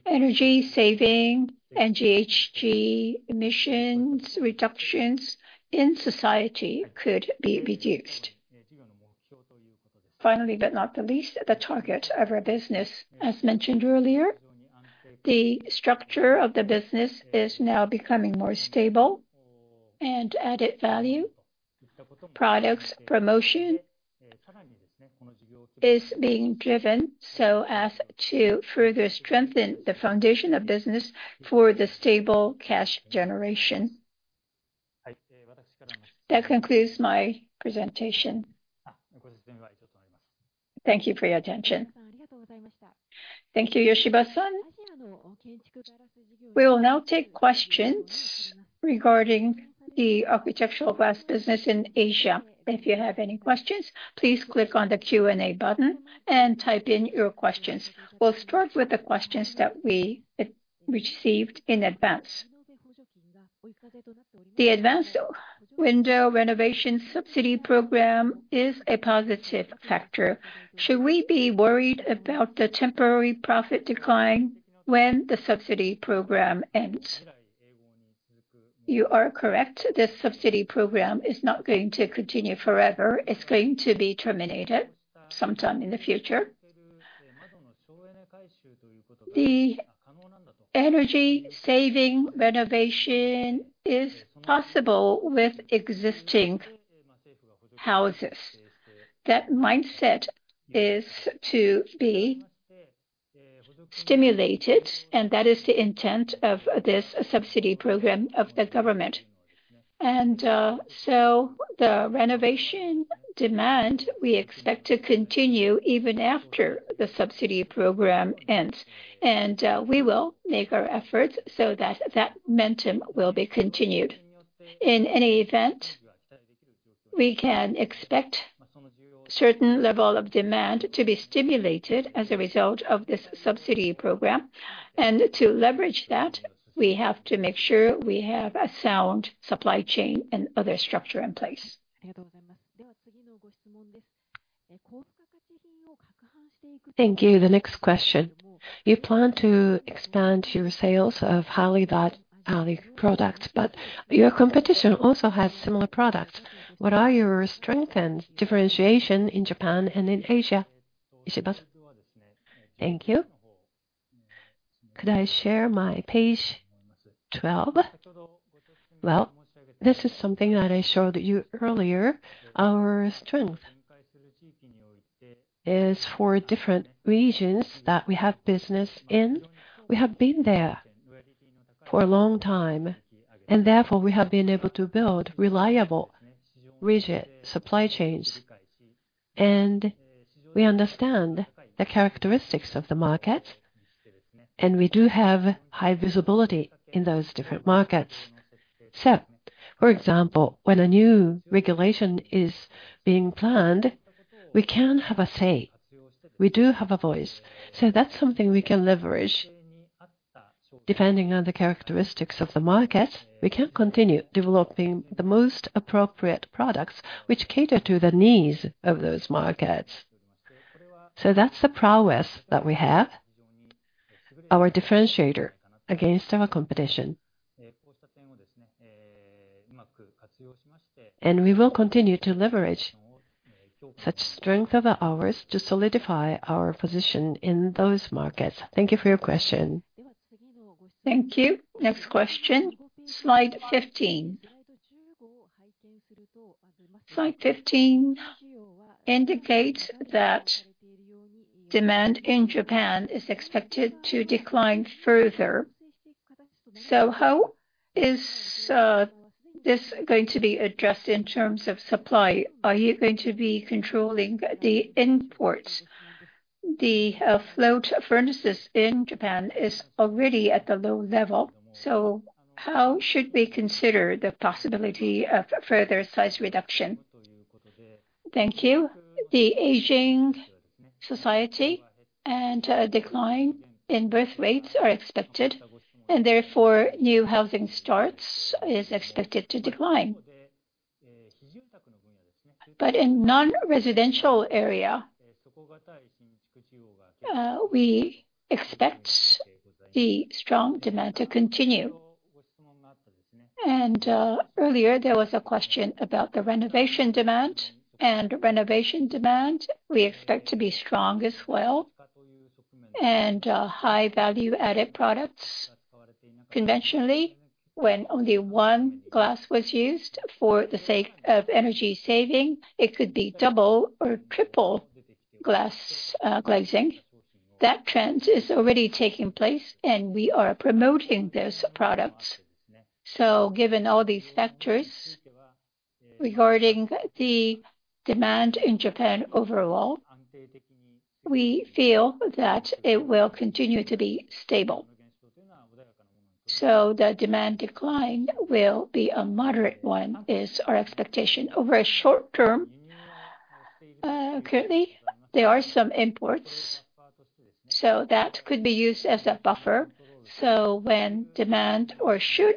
energy saving and GHG emissions reductions in society could be reduced. Finally, but not least, the target of our business. As mentioned earlier, the structure of the business is now becoming more stable, and added value products promotion is being driven so as to further strengthen the foundation of business for the stable cash generation. That concludes my presentation. Thank you for your attention. Thank you, Yoshiba-san. We will now take questions regarding the architectural glass business in Asia. If you have any questions, please click on the Q&A button and type in your questions. We'll start with the questions that we received in advance. The advanced window renovation subsidy program is a positive factor. Should we be worried about the temporary profit decline when the subsidy program ends? You are correct, this subsidy program is not going to continue forever. It's going to be terminated sometime in the future. The energy saving renovation is possible with existing houses. That mindset is to be stimulated, and that is the intent of this subsidy program of the government. So the renovation demand, we expect to continue even after the subsidy program ends. We will make our efforts so that that momentum will be continued. In any event, we can expect certain level of demand to be stimulated as a result of this subsidy program, and to leverage that, we have to make sure we have a sound supply chain and other structure in place. Thank you. The next question: You plan to expand your sales of high-end, high-value products, but your competition also has similar products. What are your strength and differentiation in Japan and in Asia? Yoshiba-san? Thank you. Could I share my page 12? Well, this is something that I showed you earlier. Our strength is for different regions that we have business in, we have been there for a long time, and therefore, we have been able to build reliable, rigid supply chains. We understand the characteristics of the markets, and we do have high visibility in those different markets. For example, when a new regulation is being planned, we can have a say. We do have a voice, so that's something we can leverage. Depending on the characteristics of the markets, we can continue developing the most appropriate products which cater to the needs of those markets. That's the prowess that we have, our differentiator against our competition. We will continue to leverage such strength of ours to solidify our position in those markets. Thank you for your question. Thank you. Next question, slide 15. Slide 15 indicates that demand in Japan is expected to decline further. So how is this going to be addressed in terms of supply? Are you going to be controlling the imports? The float furnaces in Japan is already at a low level, so how should we consider the possibility of further size reduction? Thank you. The aging society and a decline in birth rates are expected, and therefore, new housing starts is expected to decline. But in non-residential area, we expect the strong demand to continue. And earlier, there was a question about the renovation demand, and renovation demand we expect to be strong as well, and high value added products. Conventionally, when only one glass was used for the sake of energy saving, it could be double or triple glass glazing. That trend is already taking place, and we are promoting those products. So given all these factors, regarding the demand in Japan overall, we feel that it will continue to be stable. So the demand decline will be a moderate one, is our expectation. Over a short term, currently, there are some imports, so that could be used as a buffer. So when demand or should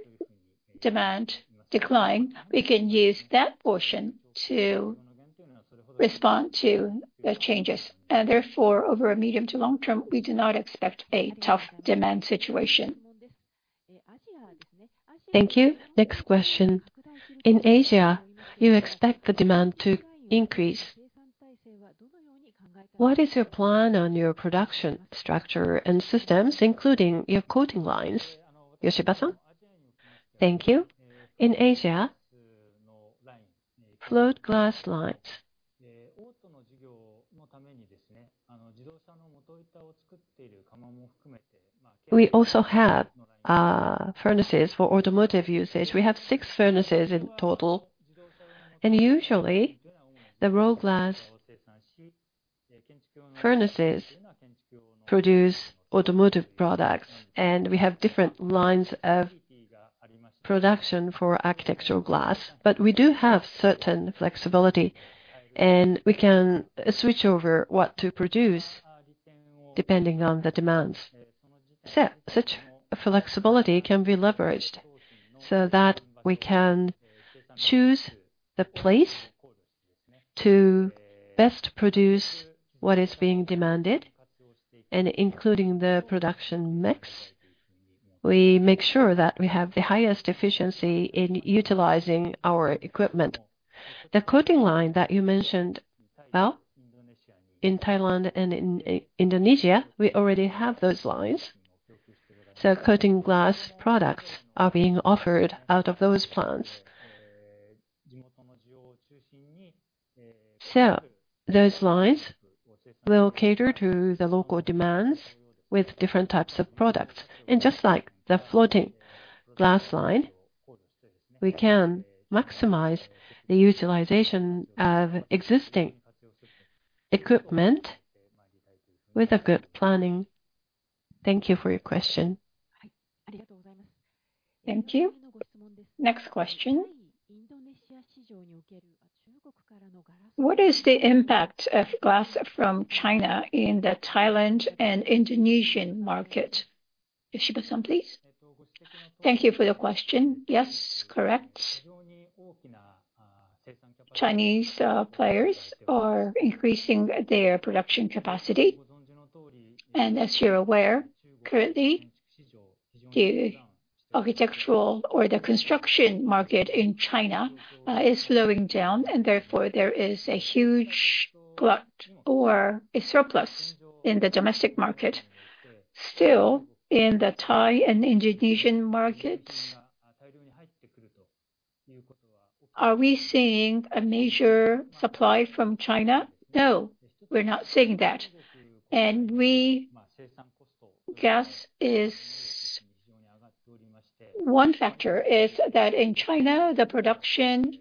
demand decline, we can use that portion to respond to the changes, and therefore, over a medium to long term, we do not expect a tough demand situation. Thank you. Next question. In Asia, you expect the demand to increase. What is your plan on your production structure and systems, including your coating lines? Yoshiba-san? Thank you. In Asia, float glass lines. We also have furnaces for automotive usage. We have 6 furnaces in total, and usually, the raw glass furnaces produce automotive products, and we have different lines of production for architectural glass. But we do have certain flexibility, and we can switch over what to produce depending on the demands. So such flexibility can be leveraged so that we can choose the place to best produce what is being demanded, and including the production mix, we make sure that we have the highest efficiency in utilizing our equipment. The coating line that you mentioned, well, in Thailand and in Indonesia, we already have those lines, so coating glass products are being offered out of those plants. So those lines will cater to the local demands with different types of products. Just like the floating glass line, we can maximize the utilization of existing equipment with good planning. Thank you for your question. Thank you. Next question. What is the impact of glass from China in the Thai and Indonesian market? Yoshiba-san, please. Thank you for the question. Yes, correct. Chinese players are increasing their production capacity. And as you're aware, currently, the architectural or the construction market in China is slowing down, and therefore, there is a huge glut or a surplus in the domestic market. Still, in the Thai and Indonesian markets, are we seeing a major supply from China? No, we're not seeing that. And one factor is that in China, the production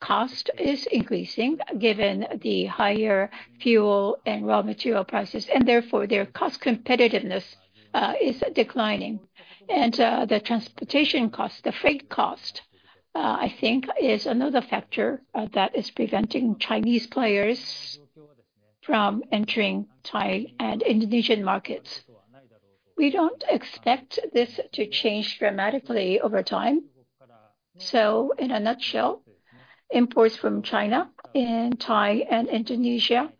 cost is increasing given the higher fuel and raw material prices, and therefore, their cost competitiveness is declining. And, the transportation cost, the freight cost, I think is another factor, that is preventing Chinese players from entering Thai and Indonesian markets. We don't expect this to change dramatically over time. So in a nutshell, imports from China in Thai and Indonesia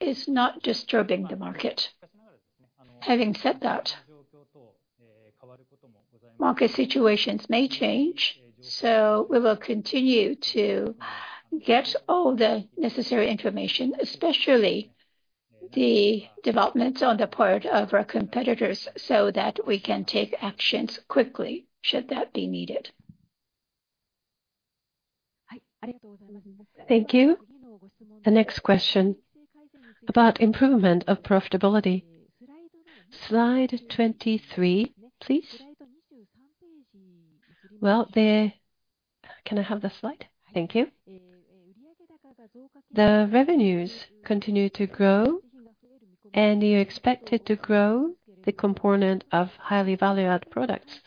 is not disturbing the market. Having said that, market situations may change, so we will continue to get all the necessary information, especially the developments on the part of our competitors, so that we can take actions quickly, should that be needed. Thank you. The next question, about improvement of profitability. Slide 23, please. Well, Can I have the slide? Thank you. The revenues continue to grow, and you expect it to grow the component of highly valued products.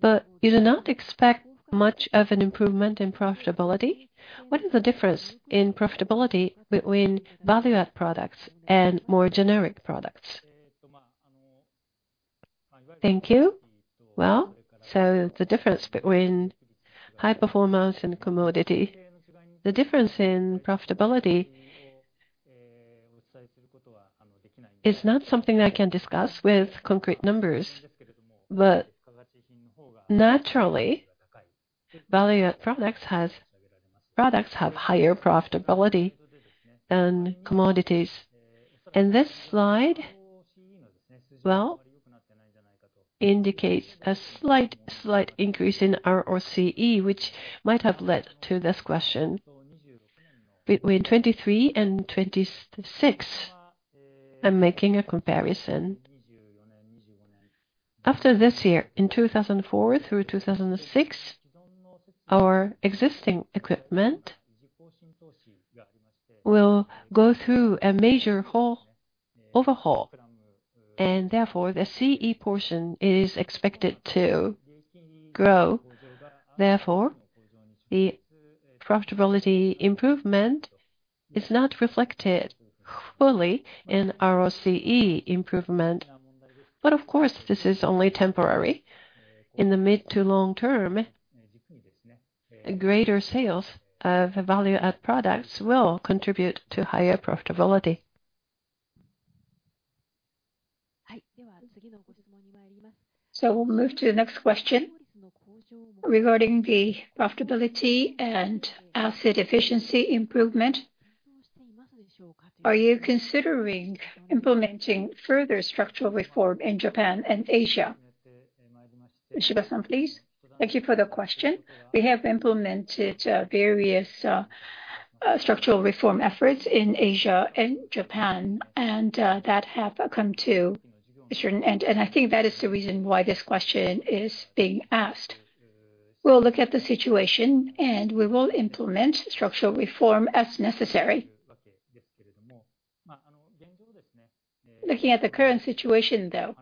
But you do not expect much of an improvement in profitability? What is the difference in profitability between value-add products and more generic products? Thank you. Well, so the difference between high performance and commodity, the difference in profitability is not something I can discuss with concrete numbers. But naturally, value-add products have higher profitability than commodities. And this slide, well, indicates a slight increase in our ROCE, which might have led to this question. Between 23 and 26, I'm making a comparison. After this year, in 2024 through 2026, our existing equipment will go through a major overhaul, and therefore, the CE portion is expected to grow. Therefore, the profitability improvement is not reflected fully in ROCE improvement. But of course, this is only temporary. In the mid- to long-term, greater sales of value-add products will contribute to higher profitability. So we'll move to the next question. Regarding the profitability and asset efficiency improvement, are you considering implementing further structural reform in Japan and Asia? Yoshida-san, please. Thank you for the question. We have implemented various structural reform efforts in Asia and Japan, and that have come to a certain end, and I think that is the reason why this question is being asked. We'll look at the situation, and we will implement structural reform as necessary. Looking at the current situation, though,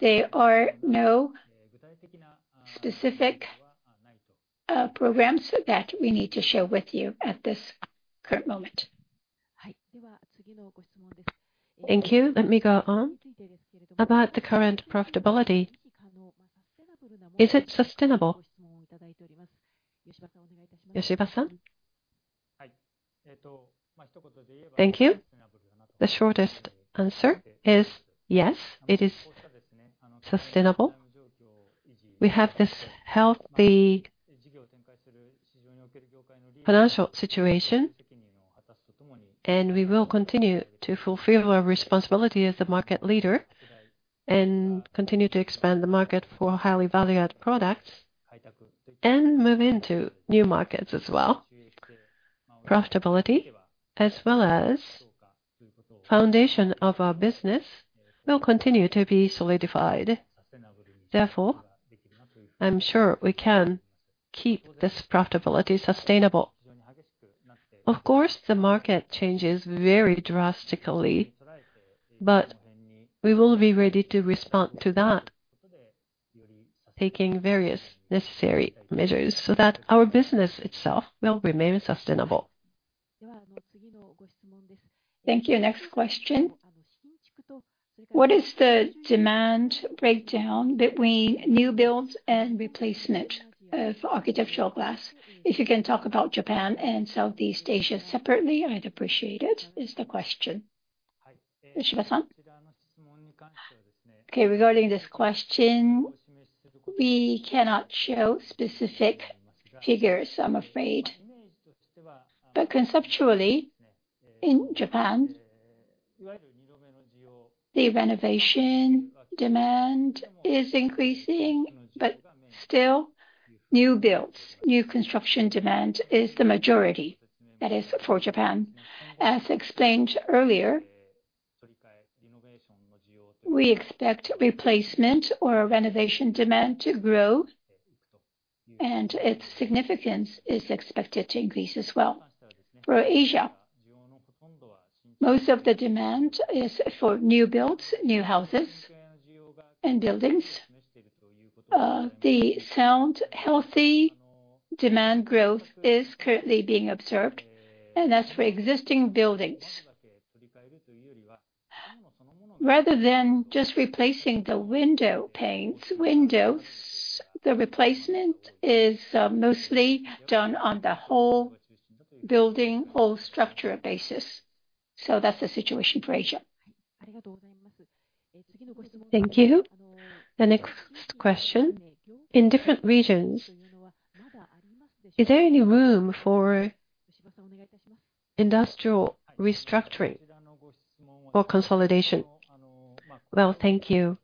there are no specific programs that we need to share with you at this current moment. Thank you. Let me go on. About the current profitability, is it sustainable? Yoshida-san? Thank you. The shortest answer is yes, it is sustainable. We have this healthy financial situation, and we will continue to fulfill our responsibility as the market leader, and continue to expand the market for highly valued products, and move into new markets as well. Profitability, as well as foundation of our business, will continue to be solidified. Therefore, I'm sure we can keep this profitability sustainable. Of course, the market changes very drastically, but we will be ready to respond to that, taking various necessary measures so that our business itself will remain sustainable. Thank you. Next question: What is the demand breakdown between new builds and replacement of architectural glass? If you can talk about Japan and Southeast Asia separately, I'd appreciate it, is the question. Yoshiba-san? Okay, regarding this question, we cannot show specific figures, I'm afraid. But conceptually, in Japan, the renovation demand is increasing, but still, new builds, new construction demand is the majority. That is for Japan. As explained earlier, we expect replacement or renovation demand to grow, and its significance is expected to increase as well. For Asia, most of the demand is for new builds, new houses and buildings. The sound, healthy demand growth is currently being observed, and that's for existing buildings. Rather than just replacing the window panes, windows, the replacement is mostly done on the whole building, whole structure basis. So that's the situation for Asia. Thank you. The next question: In different regions, is there any room for industrial restructuring or consolidation? Well, thank you.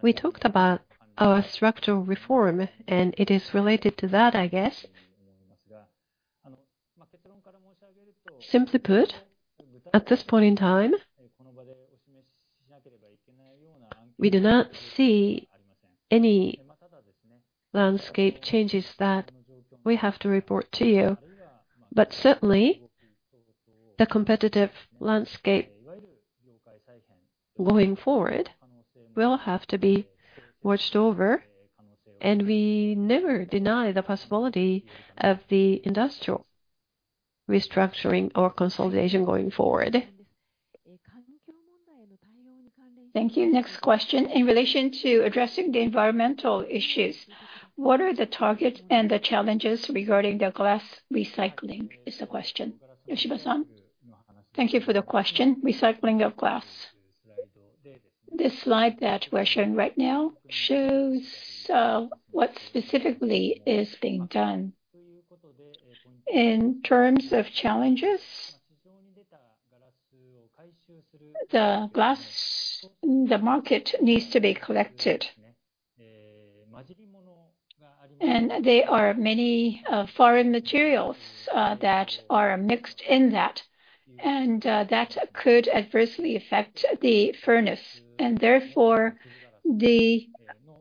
We talked about our structural reform, and it is related to that, I guess. Simply put, at this point in time, we do not see any landscape changes that we have to report to you, but certainly, the competitive landscape going forward will have to be watched over, and we never deny the possibility of the industrial restructuring or consolidation going forward. Thank you. Next question, in relation to addressing the environmental issues, what are the targets and the challenges regarding the glass recycling, is the question. Yoshiba-san? Thank you for the question. Recycling of glass. This slide that we're showing right now shows what specifically is being done. In terms of challenges, the glass, the market needs to be collected. And there are many foreign materials that are mixed in that, and that could adversely affect the furnace. And therefore, the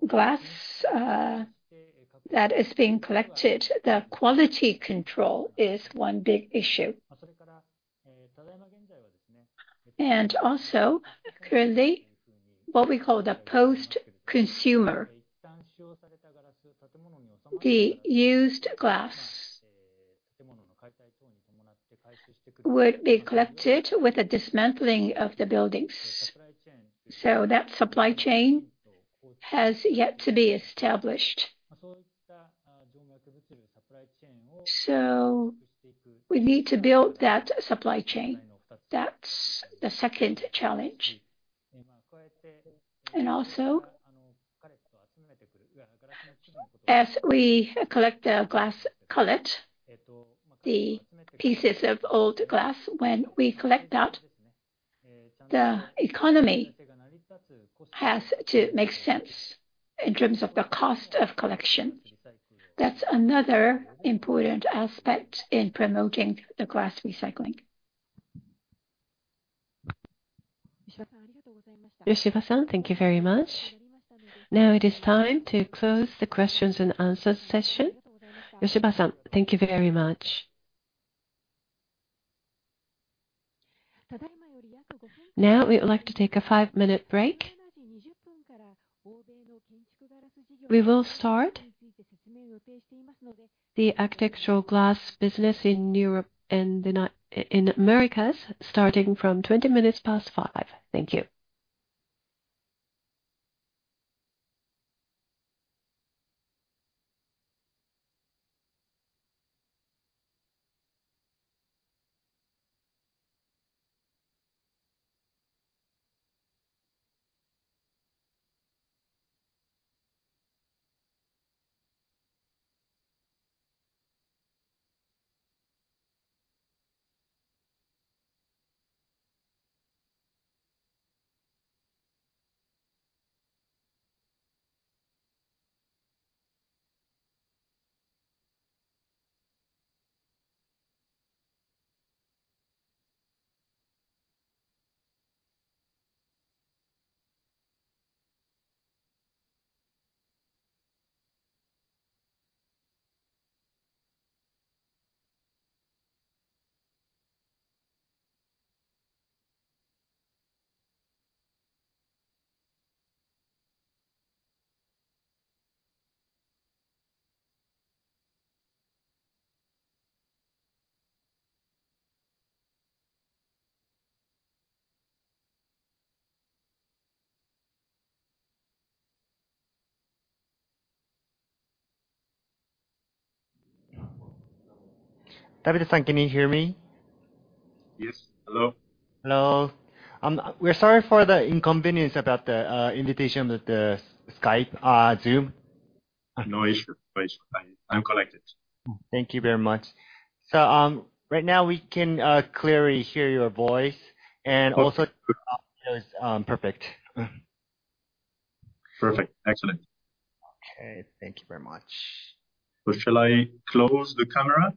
glass that is being collected, the quality control is one big issue. And also, currently, what we call the post-consumer, the used glass, would be collected with the dismantling of the buildings. So that supply chain has yet to be established. So we need to build that supply chain. That's the second challenge. And also, as we collect the glass cullet. The pieces of old glass, when we collect that, the economy has to make sense in terms of the cost of collection. That's another important aspect in promoting the glass recycling. Yoshida-san, thank you very much. Now it is time to close the questions and answers session. Yoshida-san, thank you very much. Now, we would like to take a 5-minute break. We will start the architectural glass business in Europe and in, in Americas, starting from 5:20 P.M. Thank you. Davide-san, can you hear me? Yes. Hello. Hello. We're sorry for the inconvenience about the invitation with the Skype, Zoom. No issue, please. I'm connected. Thank you very much. So, right now, we can clearly hear your voice, and also, perfect. Perfect. Excellent. Okay, thank you very much. Well, shall I close the camera?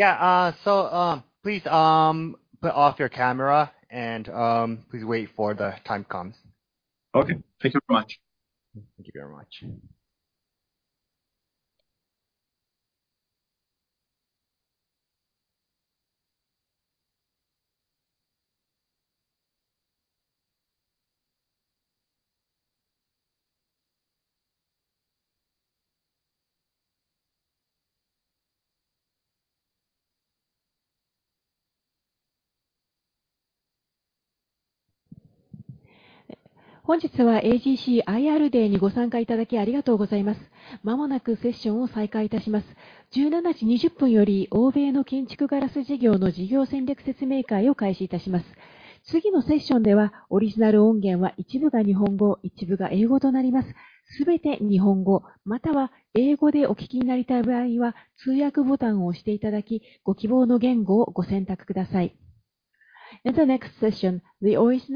Yeah, so please put off your camera and please wait for the time comes. Okay. Thank you very much. Thank you very much. In the next session, the original sound source will be partly in Japanese and partly in English. If you would like to listen to all of them in Japanese or English,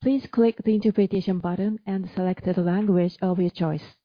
please click the interpretation button and select the language of your choice....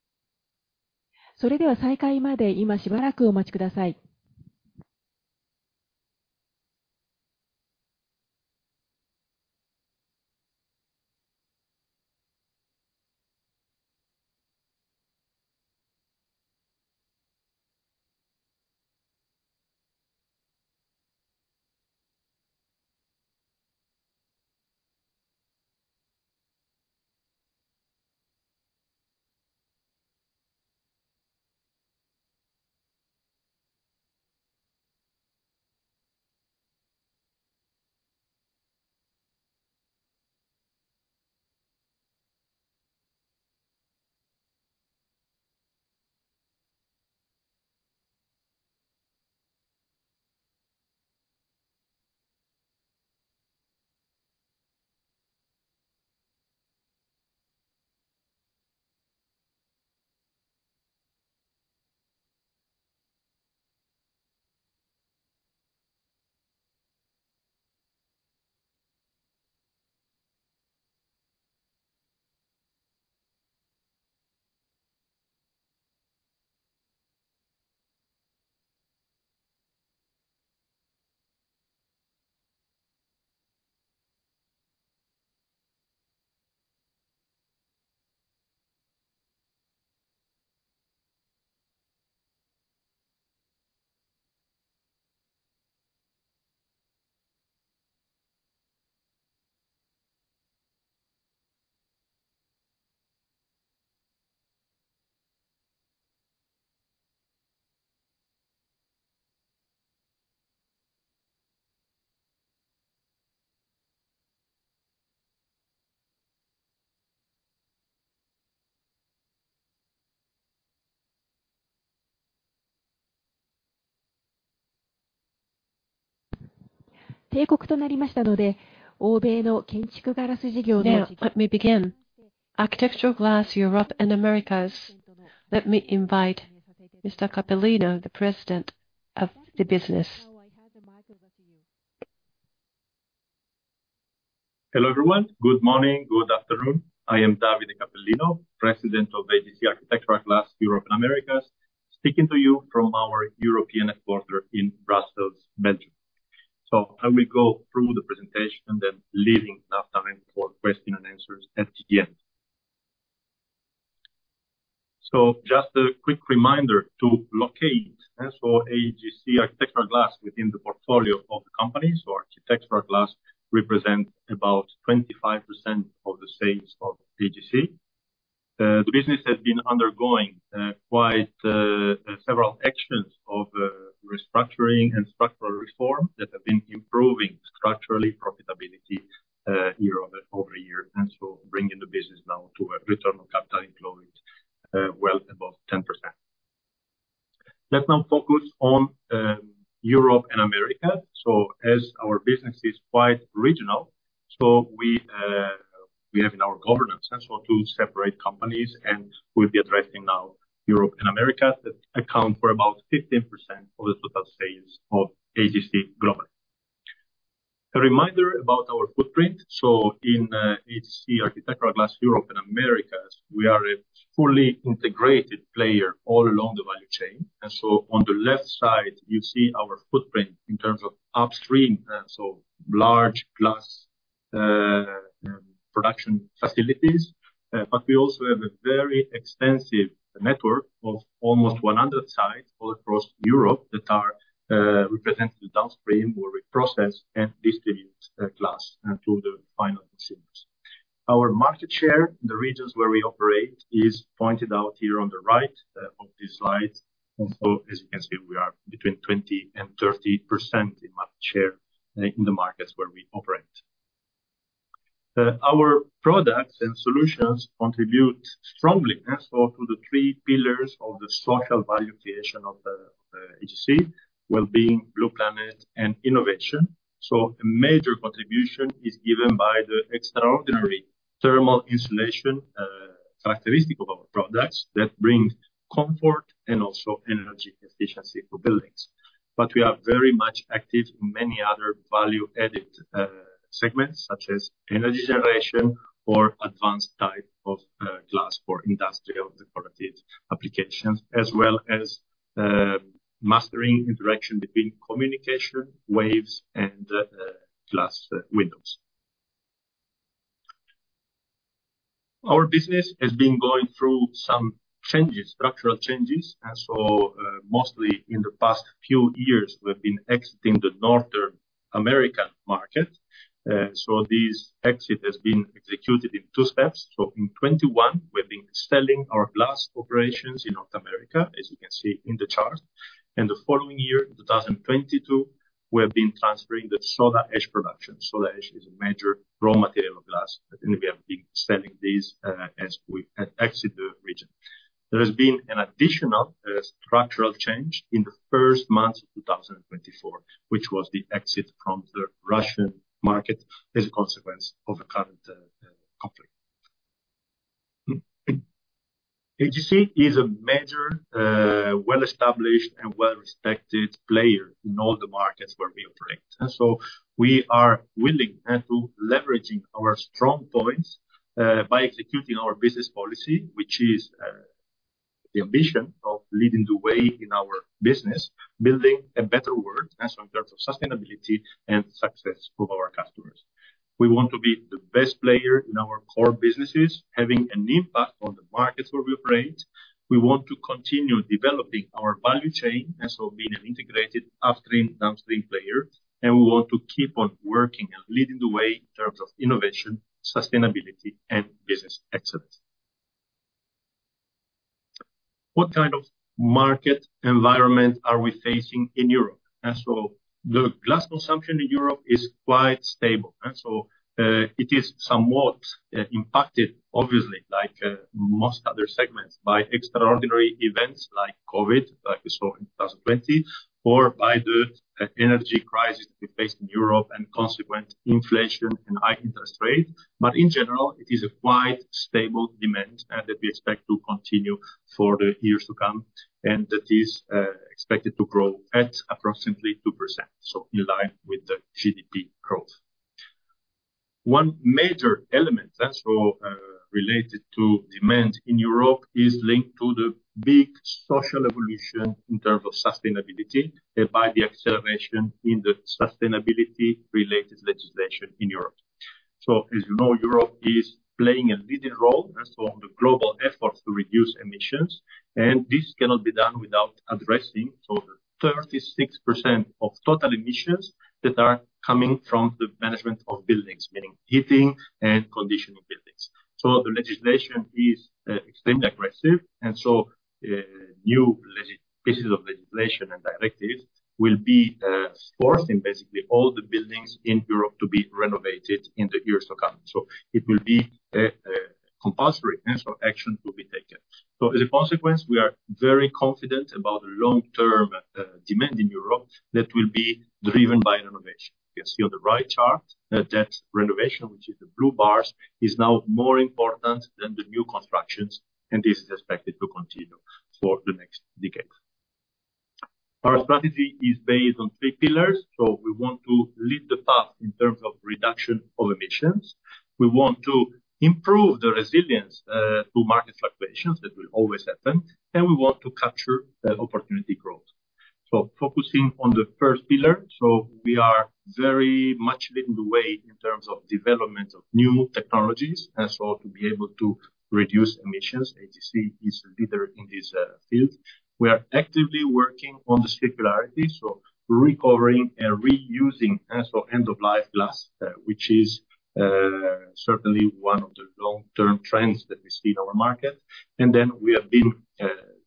Now, let me begin. Architectural Glass Europe and Americas, let me invite Mr. Cappellino, the president of the business. Hello, everyone. Good morning, good afternoon. I am Davide Cappellino, President of AGC Architectural Glass, Europe and Americas, speaking to you from our European headquarters in Brussels, Belgium. I will go through the presentation, and then leaving enough time for question and answers at the end. Just a quick reminder to locate, and so AGC Architectural Glass within the portfolio of the company, so Architectural Glass represent about 25% of the sales of AGC. The business has been undergoing quite several actions of restructuring and structural reform that have been improving structurally profitability year over year, and so bringing the business now to a return on capital employed well above 10%. Let's now focus on Europe and America. So as our business is quite regional, so we, we have in our governance, and so two separate companies, and we'll be addressing now Europe and Americas, that account for about 15% of the total sales of AGC globally. A reminder about our footprint. So in AGC Architectural Glass, Europe and Americas, we are a fully integrated player all along the value chain, and so on the left side, you see our footprint in terms of upstream, and so large glass production facilities. But we also have a very extensive network of almost 100 sites all across Europe that are represented to downstream, where we process and distribute glass to the final consumers. Our market share, the regions where we operate, is pointed out here on the right of this slide, and so as you can see, we are between 20% and 30% in market share in the markets where we operate. Our products and solutions contribute strongly, and so to the three pillars of the social value creation of the AGC: wellbeing, Blue Planet, and innovation. So a major contribution is given by the extraordinary thermal insulation characteristic of our products that brings comfort and also energy efficiency for buildings. But we are very much active in many other value-added segments, such as energy generation or advanced type of glass for industrial decorative applications, as well as mastering interaction between communication waves and glass windows. Our business has been going through some changes, structural changes, and so, mostly in the past few years, we've been exiting the North America market. So this exit has been executed in two steps. So in 2021, we've been selling our glass operations in North America, as you can see in the chart. And the following year, in 2022, we have been transferring the soda ash production. Soda ash is a major raw material of glass, and we have been selling these, as we exit the region. There has been an additional, structural change in the first month of 2024, which was the exit from the Russian market as a consequence of the current, conflict. AGC is a major, well-established and well-respected player in all the markets where we operate. We are willing, and to leveraging our strong points, by executing our business policy, which is, the ambition of leading the way in our business, building a better world, and so in terms of sustainability and success for our customers. We want to be the best player in our core businesses, having an impact on the markets where we operate. We want to continue developing our value chain, and so being an integrated upstream, downstream player, and we want to keep on working and leading the way in terms of innovation, sustainability, and business excellence. What kind of market environment are we facing in Europe? The glass consumption in Europe is quite stable, and so, it is somewhat, impacted, obviously, like, most other segments, by extraordinary events like COVID, like we saw in 2020, or by the, energy crisis we faced in Europe and consequent inflation and high interest rate. But in general, it is a quite stable demand, and that we expect to continue for the years to come, and that is, expected to grow at approximately 2%, so in line with the GDP growth. One major element, and so, related to demand in Europe, is linked to the big social evolution in terms of sustainability, and by the acceleration in the sustainability-related legislation in Europe. So as you know, Europe is playing a leading role, and so on the global efforts to reduce emissions, and this cannot be done without addressing over 36% of total emissions that are coming from the management of buildings, meaning heating and conditioning buildings. So the legislation is extremely aggressive, and so new pieces of legislation and directives will be forcing basically all the buildings in Europe to be renovated in the years to come. So it will be compulsory, and so action will be taken. So as a consequence, we are very confident about the long-term demand in Europe that will be driven by renovation. You can see on the right chart that renovation, which is the blue bars, is now more important than the new constructions, and this is expected to continue for the next decade. Our strategy is based on three pillars. So we want to lead the path in terms of reduction of emissions, we want to improve the resilience to market fluctuations, that will always happen, and we want to capture opportunity growth. So focusing on the first pillar, so we are very much leading the way in terms of development of new technologies, and so to be able to reduce emissions, AGC is a leader in this field. We are actively working on the circularity, so recovering and reusing as for end-of-life glass, which is certainly one of the long-term trends that we see in our market. And then we have been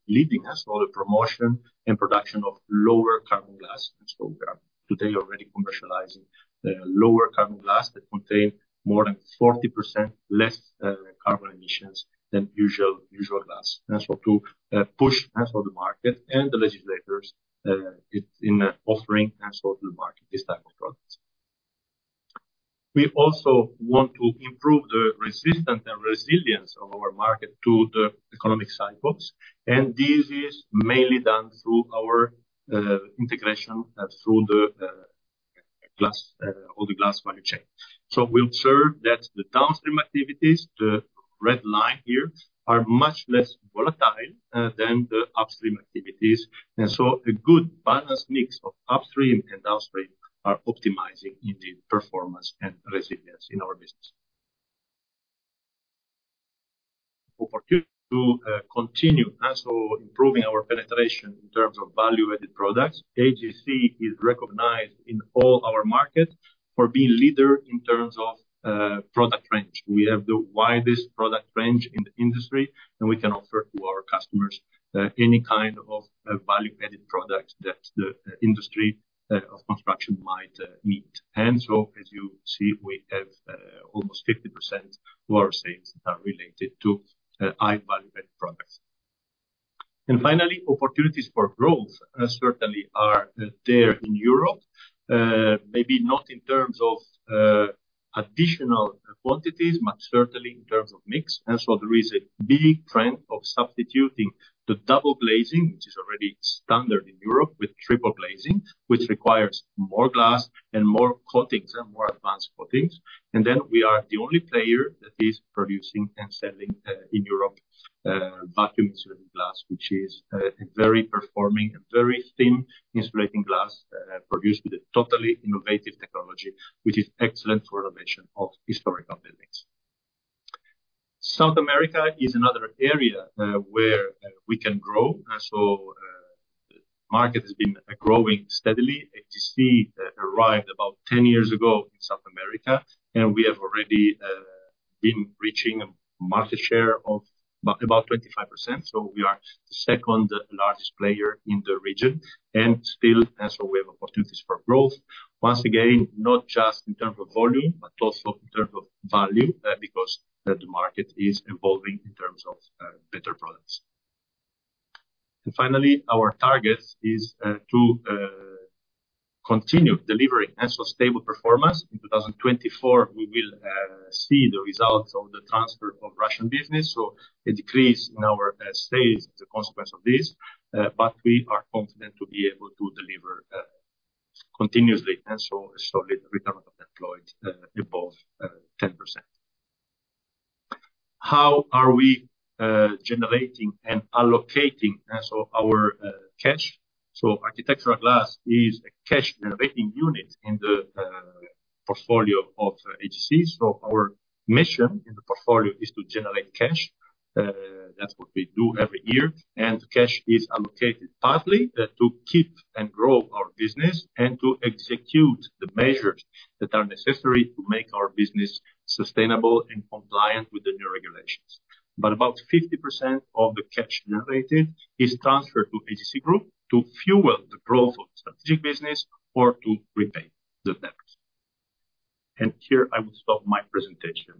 leading as well the promotion and production of lower carbon glass. We are today already commercializing the lower carbon glass that contain more than 40% less carbon emissions than usual glass. To push as for the market and the legislators, it's in offering as for the market this type of products. We also want to improve the resistance and resilience of our market to the economic cycles, and this is mainly done through our integration through the glass all the glass value chain. We observe that the downstream activities, the red line here, are much less volatile than the upstream activities. A good balanced mix of upstream and downstream are optimizing in the performance and resilience in our business. Opportunity to continue improving our penetration in terms of value-added products. AGC is recognized in all our markets for being leader in terms of product range. We have the widest product range in the industry, and we can offer to our customers any kind of value-added product that the industry of construction might need. And so as you see, we have almost 50% of our sales are related to high value-added products. And finally, opportunities for growth certainly are there in Europe. Maybe not in terms of additional quantities, but certainly in terms of mix. And so there is a big trend of substituting the double glazing, which is already standard in Europe, with triple glazing, which requires more glass and more coatings and more advanced coatings. And then we are the only player that is producing and selling in Europe vacuum insulating glass, which is a very performing and very thin insulating glass produced with a totally innovative technology, which is excellent for renovation of historical buildings. South America is another area where we can grow, and so the market has been growing steadily. AGC arrived about 10 years ago in South America, and we have already been reaching a market share of about 25%. So we are the second largest player in the region, and still we have opportunities for growth. Once again, not just in terms of volume, but also in terms of value because the market is evolving in terms of better products. And finally, our target is to continue delivering stable performance. In 2024, we will see the results of the transfer of Russian business, so a decrease in our sales as a consequence of this, but we are confident to be able to deliver continuously, and so a solid return on employed above 10%. How are we generating and allocating as so our cash? So architectural glass is a cash generating unit in the portfolio of AGC. So our mission in the portfolio is to generate cash. That's what we do every year. Cash is allocated partly to keep and grow our business and to execute the measures that are necessary to make our business sustainable and compliant with the new regulations. But about 50% of the cash generated is transferred to AGC Group to fuel the growth of strategic business or to repay the debt. Here I will stop my presentation.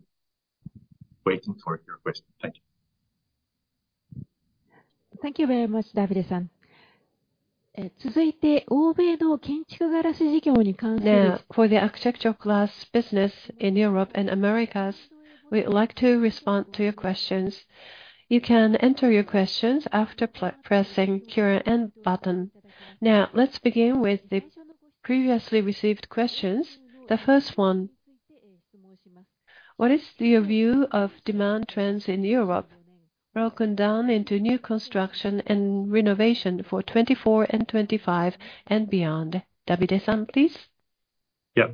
Waiting for your question. Thank you. Thank you very much, Davide-san. Now, for the architectural glass business in Europe and Americas, we'd like to respond to your questions. You can enter your questions after pressing Q and end button. Now, let's begin with the previously received questions. The first one: What is your view of demand trends in Europe, broken down into new construction and renovation for 2024 and 2025 and beyond? Davide-san, please. Yeah.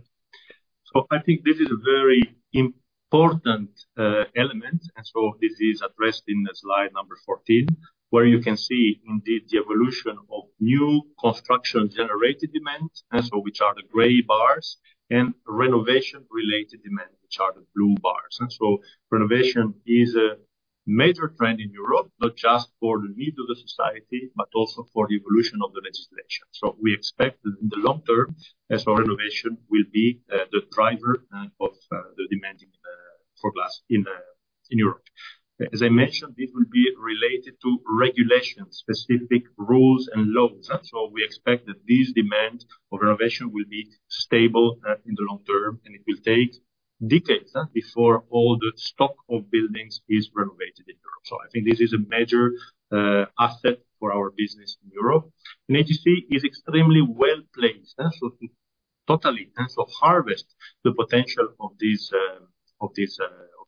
So I think this is a very important element, and so this is addressed in slide number 14, where you can see indeed, the evolution of new construction-generated demand, and so which are the gray bars, and renovation-related demand, which are the blue bars. And so renovation is a major trend in Europe, not just for the need of the society, but also for the evolution of the legislation. So we expect that in the long term, as our innovation will be the driver of the demand in for glass in in Europe. As I mentioned, this will be related to regulations, specific rules and laws. And so we expect that this demand for renovation will be stable in the long term, and it will take decades before all the stock of buildings is renovated in Europe. So I think this is a major asset for our business in Europe. And AGC is extremely well-placed, and so totally, and so harvest the potential of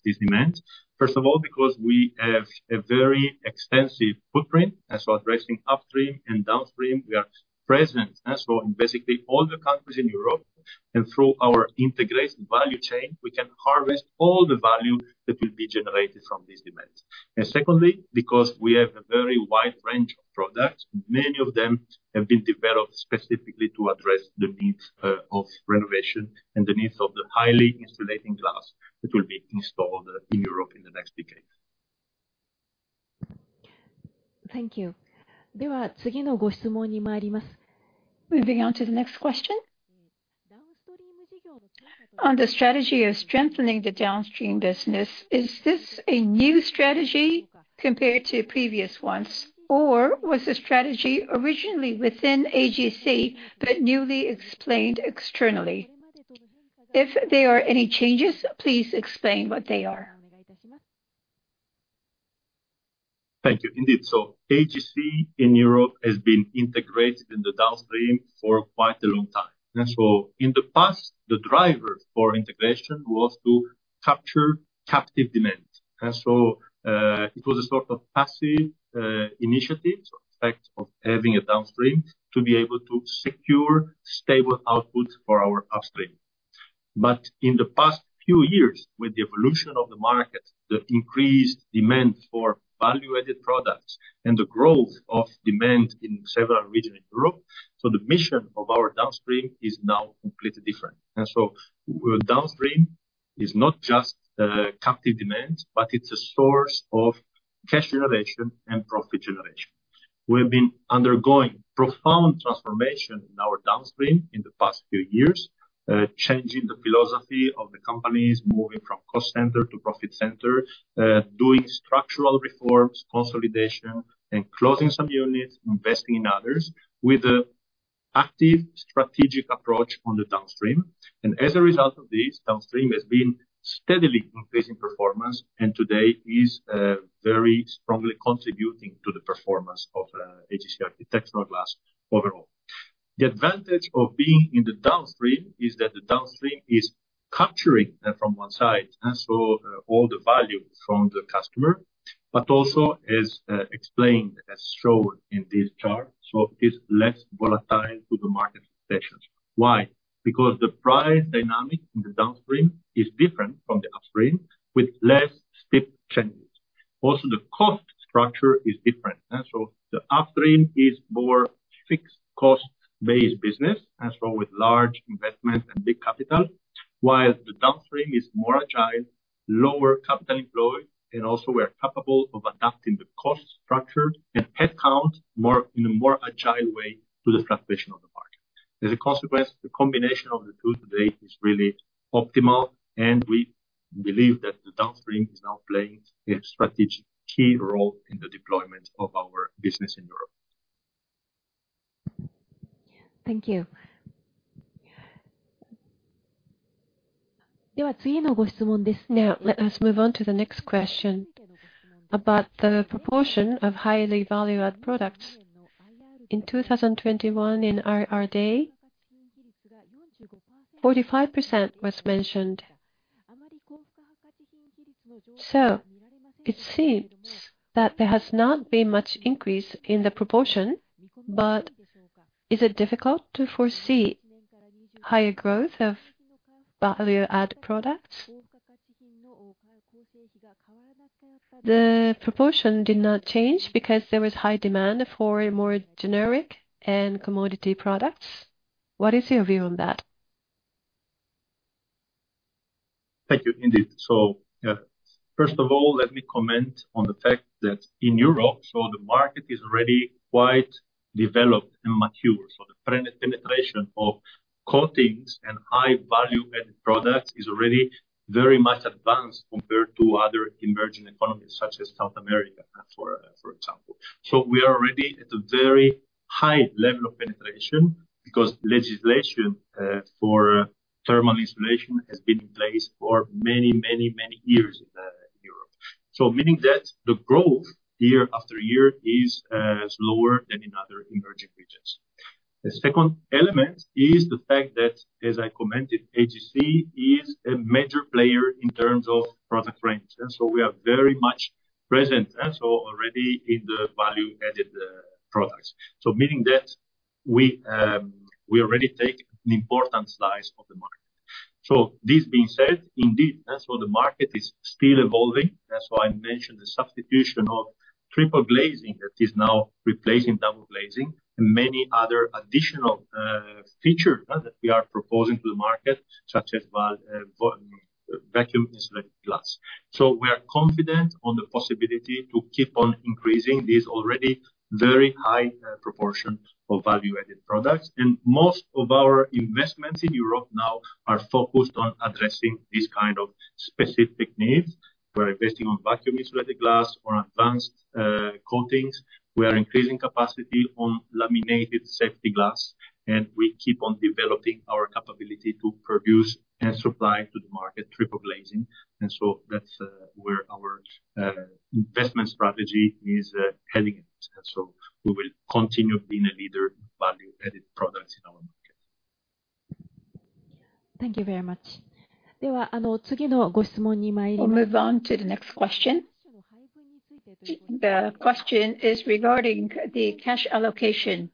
this demand. First of all, because we have a very extensive footprint as well as raising upstream and downstream. We are present, and so in basically all the countries in Europe, and through our integrated value chain, we can harvest all the value that will be generated from this demand. And secondly, because we have a very wide range of products, many of them have been developed specifically to address the needs of renovation and the needs of the highly insulating glass that will be installed in Europe in the next decade. Thank you. Moving on to the next question. On the strategy of strengthening the downstream business, is this a new strategy compared to previous ones, or was the strategy originally within AGC but newly explained externally? If there are any changes, please explain what they are. Thank you. Indeed, AGC in Europe has been integrated in the downstream for quite a long time. In the past, the driver for integration was to capture captive demand. It was a sort of passive initiative, so fact of having a downstream to be able to secure stable output for our upstream. But in the past few years, with the evolution of the market, the increased demand for value-added products and the growth of demand in several regions in Europe, the mission of our downstream is now completely different. Downstream is not just captive demand, but it's a source of cash generation and profit generation. We've been undergoing profound transformation in our downstream in the past few years, changing the philosophy of the companies, moving from cost center to profit center, doing structural reforms, consolidation, and closing some units, investing in others, with a active strategic approach on the downstream. As a result of this, downstream has been steadily increasing performance, and today is very strongly contributing to the performance of AGC Architectural Glass overall. The advantage of being in the downstream is that the downstream is capturing from one side, and so all the value from the customer, but also as explained, as shown in this chart, so it's less volatile to the market fluctuations. Why? Because the price dynamic in the downstream is different from the upstream, with less steep changes. Also, the cost structure is different. And so the upstream is more fixed cost-based business, and so with large investments and big capital, while the downstream is more agile, lower capital employed, and also we're capable of adapting the cost structure and headcount more, in a more agile way to the fluctuation of the market. As a consequence, the combination of the two today is really optimal, and we believe that the downstream is now playing a strategic key role in the deployment of our business in Europe. Thank you. Now, let us move on to the next question. About the proportion of highly value-add products. In 2021, in our IR day, 45% was mentioned. So it seems that there has not been much increase in the proportion, but is it difficult to foresee higher growth of value-add products? The proportion did not change because there was high demand for a more generic and commodity products. What is your view on that? Thank you. Indeed. First of all, let me comment on the fact that in Europe, so the market is already quite developed and mature. The current penetration of coatings and high value-added products is already very much advanced compared to other emerging economies, such as South America, for example. We are already at a very high level of penetration because legislation for thermal insulation has been in place for many, many, many years in Europe. Meaning that the growth year after year is slower than in other emerging regions. The second element is the fact that, as I commented, AGC is a major player in terms of product range, and so we are very much present, and so already in the value-added products. Meaning that we already take an important slice of the market. So this being said, indeed, and so the market is still evolving. That's why I mentioned the substitution of triple glazing that is now replacing double glazing, and many other additional features that we are proposing to the market, such as vacuum insulated glass. So we are confident on the possibility to keep on increasing this already very high proportion of value-added products, and most of our investments in Europe now are focused on addressing these kind of specific needs. We're investing on vacuum insulated glass or advanced coatings. We are increasing capacity on laminated safety glass, and we keep on developing our capability to produce and supply to the market triple glazing. And so that's where our investment strategy is heading. And so we will continue being a leader value-added products in our market. Thank you very much. We'll move on to the next question. The question is regarding the cash allocation,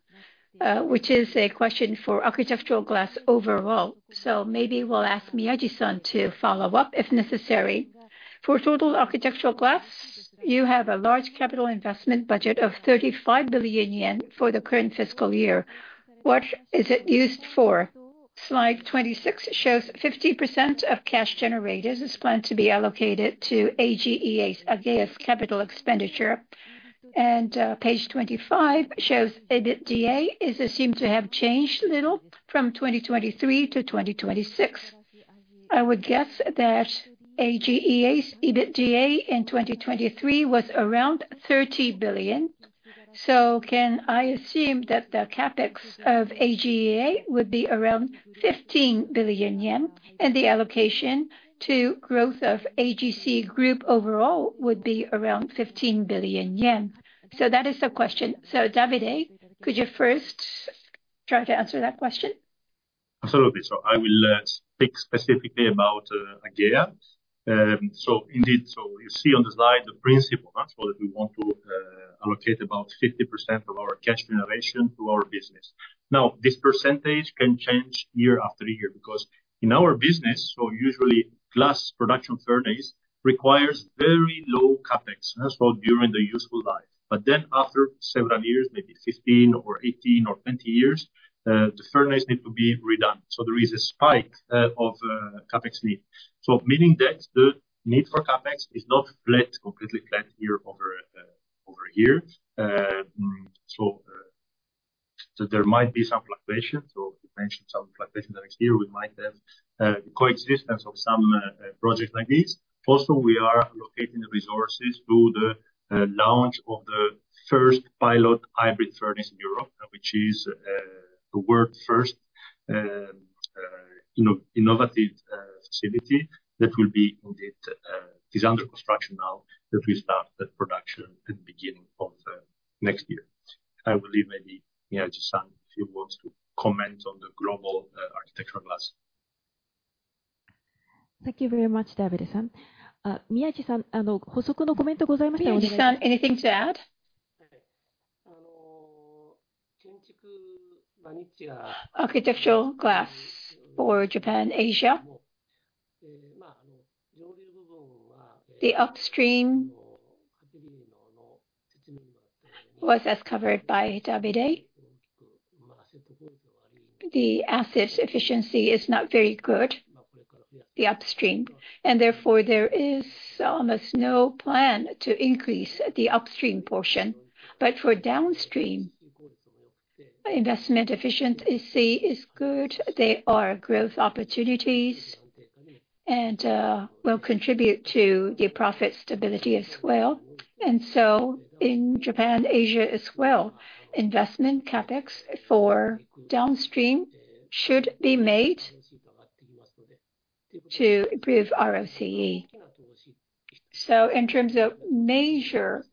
which is a question for architectural glass overall, so maybe we'll ask Miyaji-san to follow up if necessary. For total architectural glass, you have a large capital investment budget of 35 billion yen for the current fiscal year. What is it used for? Slide 26 shows 50% of cash generators is planned to be allocated to AGEA, AGEA's capital expenditure. And page 25 shows EBITDA is assumed to have changed little from 2023 to 2026. I would guess that AGEA's EBITDA in 2023 was around 30 billion. So can I assume that the CapEx of AGEA would be around 15 billion yen, and the allocation to growth of AGC group overall would be around 15 billion yen? So that is the question. Davide, could you first try to answer that question? Absolutely. So I will speak specifically about AGEA. So indeed, so you see on the slide the principle, so that we want to allocate about 50% of our cash generation to our business. Now, this percentage can change year after year, because in our business, so usually glass production furnace requires very low CapEx, as well during the useful life. But then after several years, maybe 15 or 18 or 20 years, the furnace need to be redone, so there is a spike of CapEx need. So meaning that the need for CapEx is not flat, completely flat year over year. So there might be some fluctuations. So you mentioned some fluctuations next year, we might have coexistence of some projects like this. Also, we are allocating the resources to the launch of the first pilot hybrid furnace in Europe, which is the world's first innovative facility that will be indeed is under construction now, that we start the production at the beginning of next year. I will leave maybe Miyaji-san, if he wants to comment on the global architectural glass. Thank you very much, Davide-san. Miyaji-san, Miyaji-san, anything to add? Architectural glass for Japan, Asia. The upstream was as covered by Davide. The asset efficiency is not very good, the upstream, and therefore there is almost no plan to increase the upstream portion. But for downstream, investment efficiency is good. There are growth opportunities, and will contribute to the profit stability as well. So in Japan, Asia as well, investment CapEx for downstream should be made to improve ROCE. So in terms of major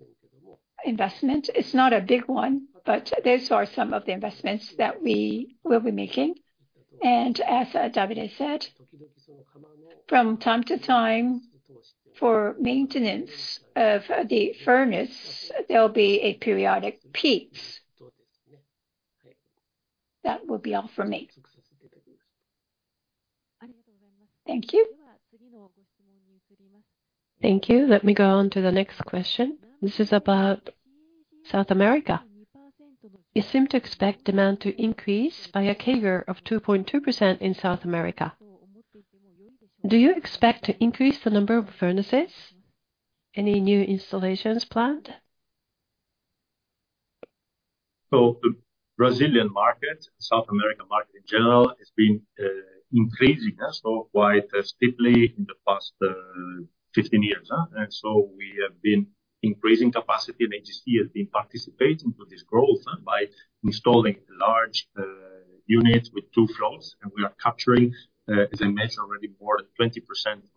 investment, it's not a big one, but those are some of the investments that we will be making. And as Davide said, from time to time, for maintenance of the furnace, there will be periodic peaks. That will be all for me. Thank you. Thank you. Let me go on to the next question. This is about South America. You seem to expect demand to increase by a CAGR of 2.2% in South America. Do you expect to increase the number of furnaces? Any new installations planned? So the Brazilian market, South American market in general, has been increasing so quite steeply in the past 15 years. And so we have been increasing capacity, and AGC has been participating to this growth by installing large units with 2 floors, and we are capturing, as I mentioned already, more than 20%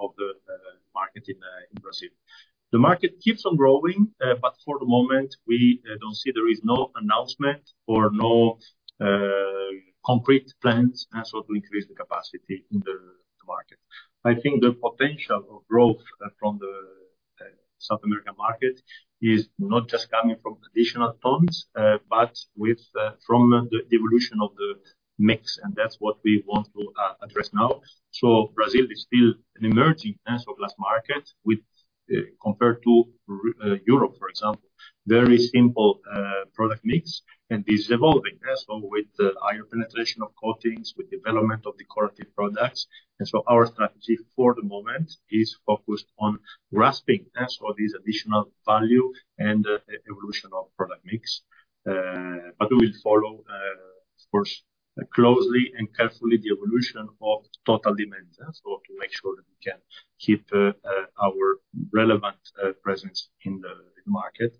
of the market in Brazil. The market keeps on growing, but for the moment, we don't see there is no announcement or no concrete plans, and so to increase the capacity in the market. I think the potential of growth from the South American market is not just coming from additional tons, but from the evolution of the mix, and that's what we want to address now. So Brazil is still an emerging glass market with-... Compared to Europe, for example, very simple product mix, and is evolving as well with the higher penetration of coatings, with development of decorative products. And so our strategy for the moment is focused on grasping as for this additional value and evolution of product mix. But we will follow, of course, closely and carefully the evolution of total demand, so to make sure that we can keep our relevant presence in the market.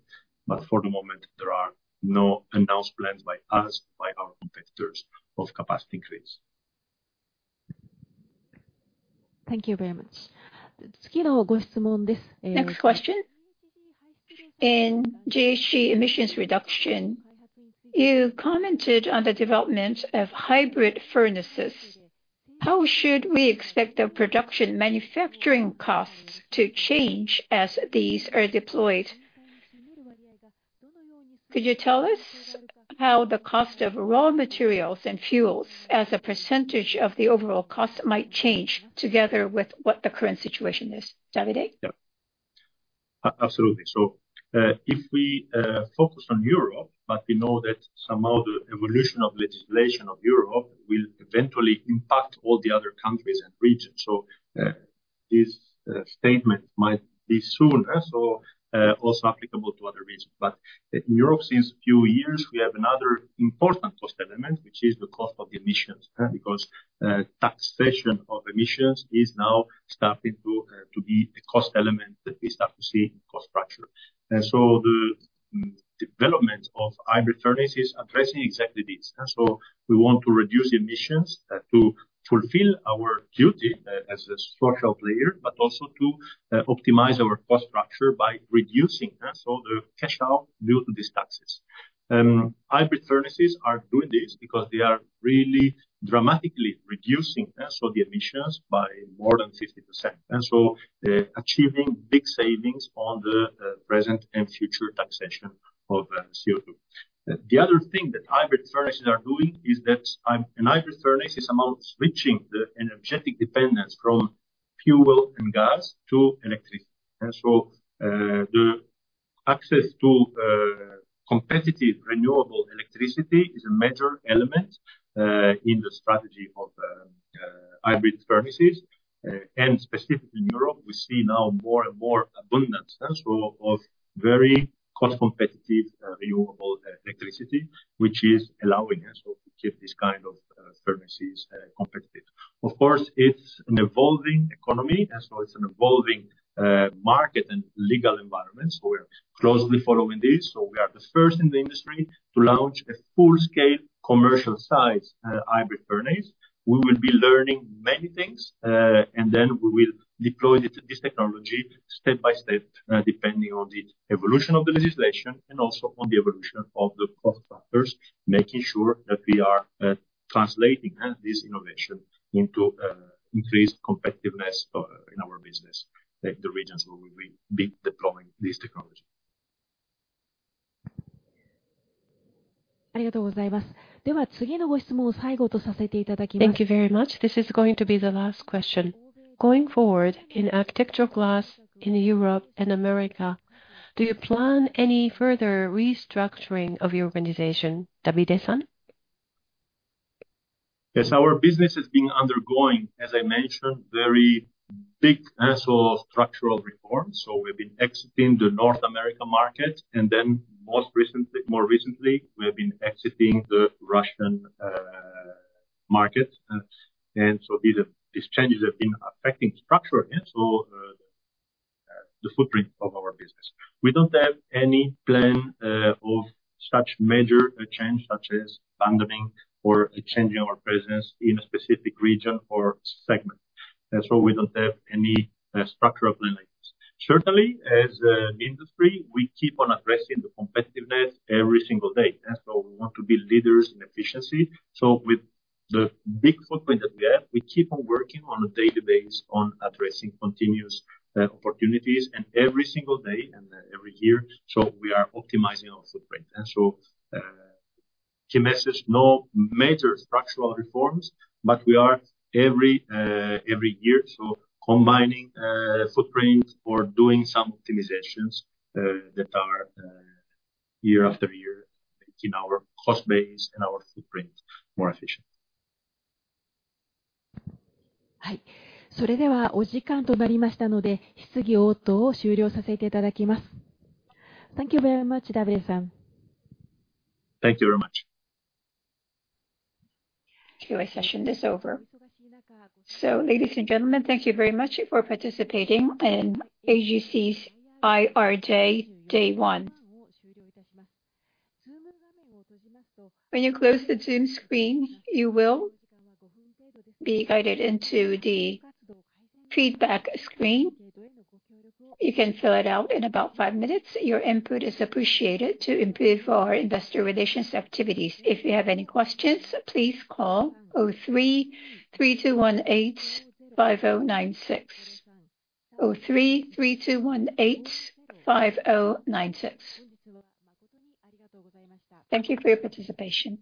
But for the moment, there are no announced plans by us, by our competitors of capacity increase. Thank you very much. Next question. In GHG emissions reduction, you commented on the development of hybrid furnaces. How should we expect the production manufacturing costs to change as these are deployed? Could you tell us how the cost of raw materials and fuels as a percentage of the overall cost might change together with what the current situation is? Davide? Yeah. Absolutely. So, if we focus on Europe, but we know that somehow the evolution of legislation of Europe will eventually impact all the other countries and regions. So, this statement might be soon, so also applicable to other regions. But in Europe, since a few years, we have another important cost element, which is the cost of emissions, because taxation of emissions is now starting to be a cost element that we start to see in cost structure. And so the development of hybrid furnaces is addressing exactly this. And so we want to reduce emissions to fulfill our duty as a social player, but also to optimize our cost structure by reducing, so the cash out due to these taxes. Hybrid furnaces are doing this because they are really dramatically reducing, so the emissions by more than 50%, and so, achieving big savings on the, present and future taxation of, CO2. The other thing that hybrid furnaces are doing is that a hybrid furnace is about switching the energetic dependence from fuel and gas to electricity. And so, the access to, competitive, renewable electricity is a major element, in the strategy of, hybrid furnaces. And specifically in Europe, we see now more and more abundance, so of very cost competitive, renewable electricity, which is allowing us to keep this kind of, furnaces, competitive. Of course, it's an evolving economy, and so it's an evolving, market and legal environment, so we're closely following this. We are the first in the industry to launch a full-scale commercial size hybrid furnace. We will be learning many things, and then we will deploy it, this technology, step by step, depending on the evolution of the legislation and also on the evolution of the cost factors, making sure that we are translating this innovation into increased competitiveness in our business, like the regions where we'll be deploying this technology. Thank you very much. This is going to be the last question. Going forward, in architectural glass in Europe and America, do you plan any further restructuring of your organization, Davide-san? Yes, our business has been undergoing, as I mentioned, very big and so structural reforms. So we've been exiting the North America market, and then most recently, more recently, we have been exiting the Russian market. And so these changes have been affecting structure, and so the footprint of our business. We don't have any plan of such major change, such as abandoning or changing our presence in a specific region or segment. And so we don't have any structural plan like this. Certainly, as an industry, we keep on addressing the competitiveness every single day, and so we want to be leaders in efficiency. So with the big footprint that we have, we keep on working on a daily basis on addressing continuous opportunities, and every single day and every year, so we are optimizing our footprint. To message, no major structural reforms, but we are every year, so combining footprints or doing some optimizations that are year after year, making our cost base and our footprint more efficient. Thank you very much, Davide-san. Thank you very much. QA session is over. So, ladies and gentlemen, thank you very much for participating in AGC's IR Day, day one. When you close the Zoom screen, you will be guided into the feedback screen. You can fill it out in about five minutes. Your input is appreciated to improve our investor relations activities. If you have any questions, please call 03-321-85096. 03-321-85096. Thank you for your participation.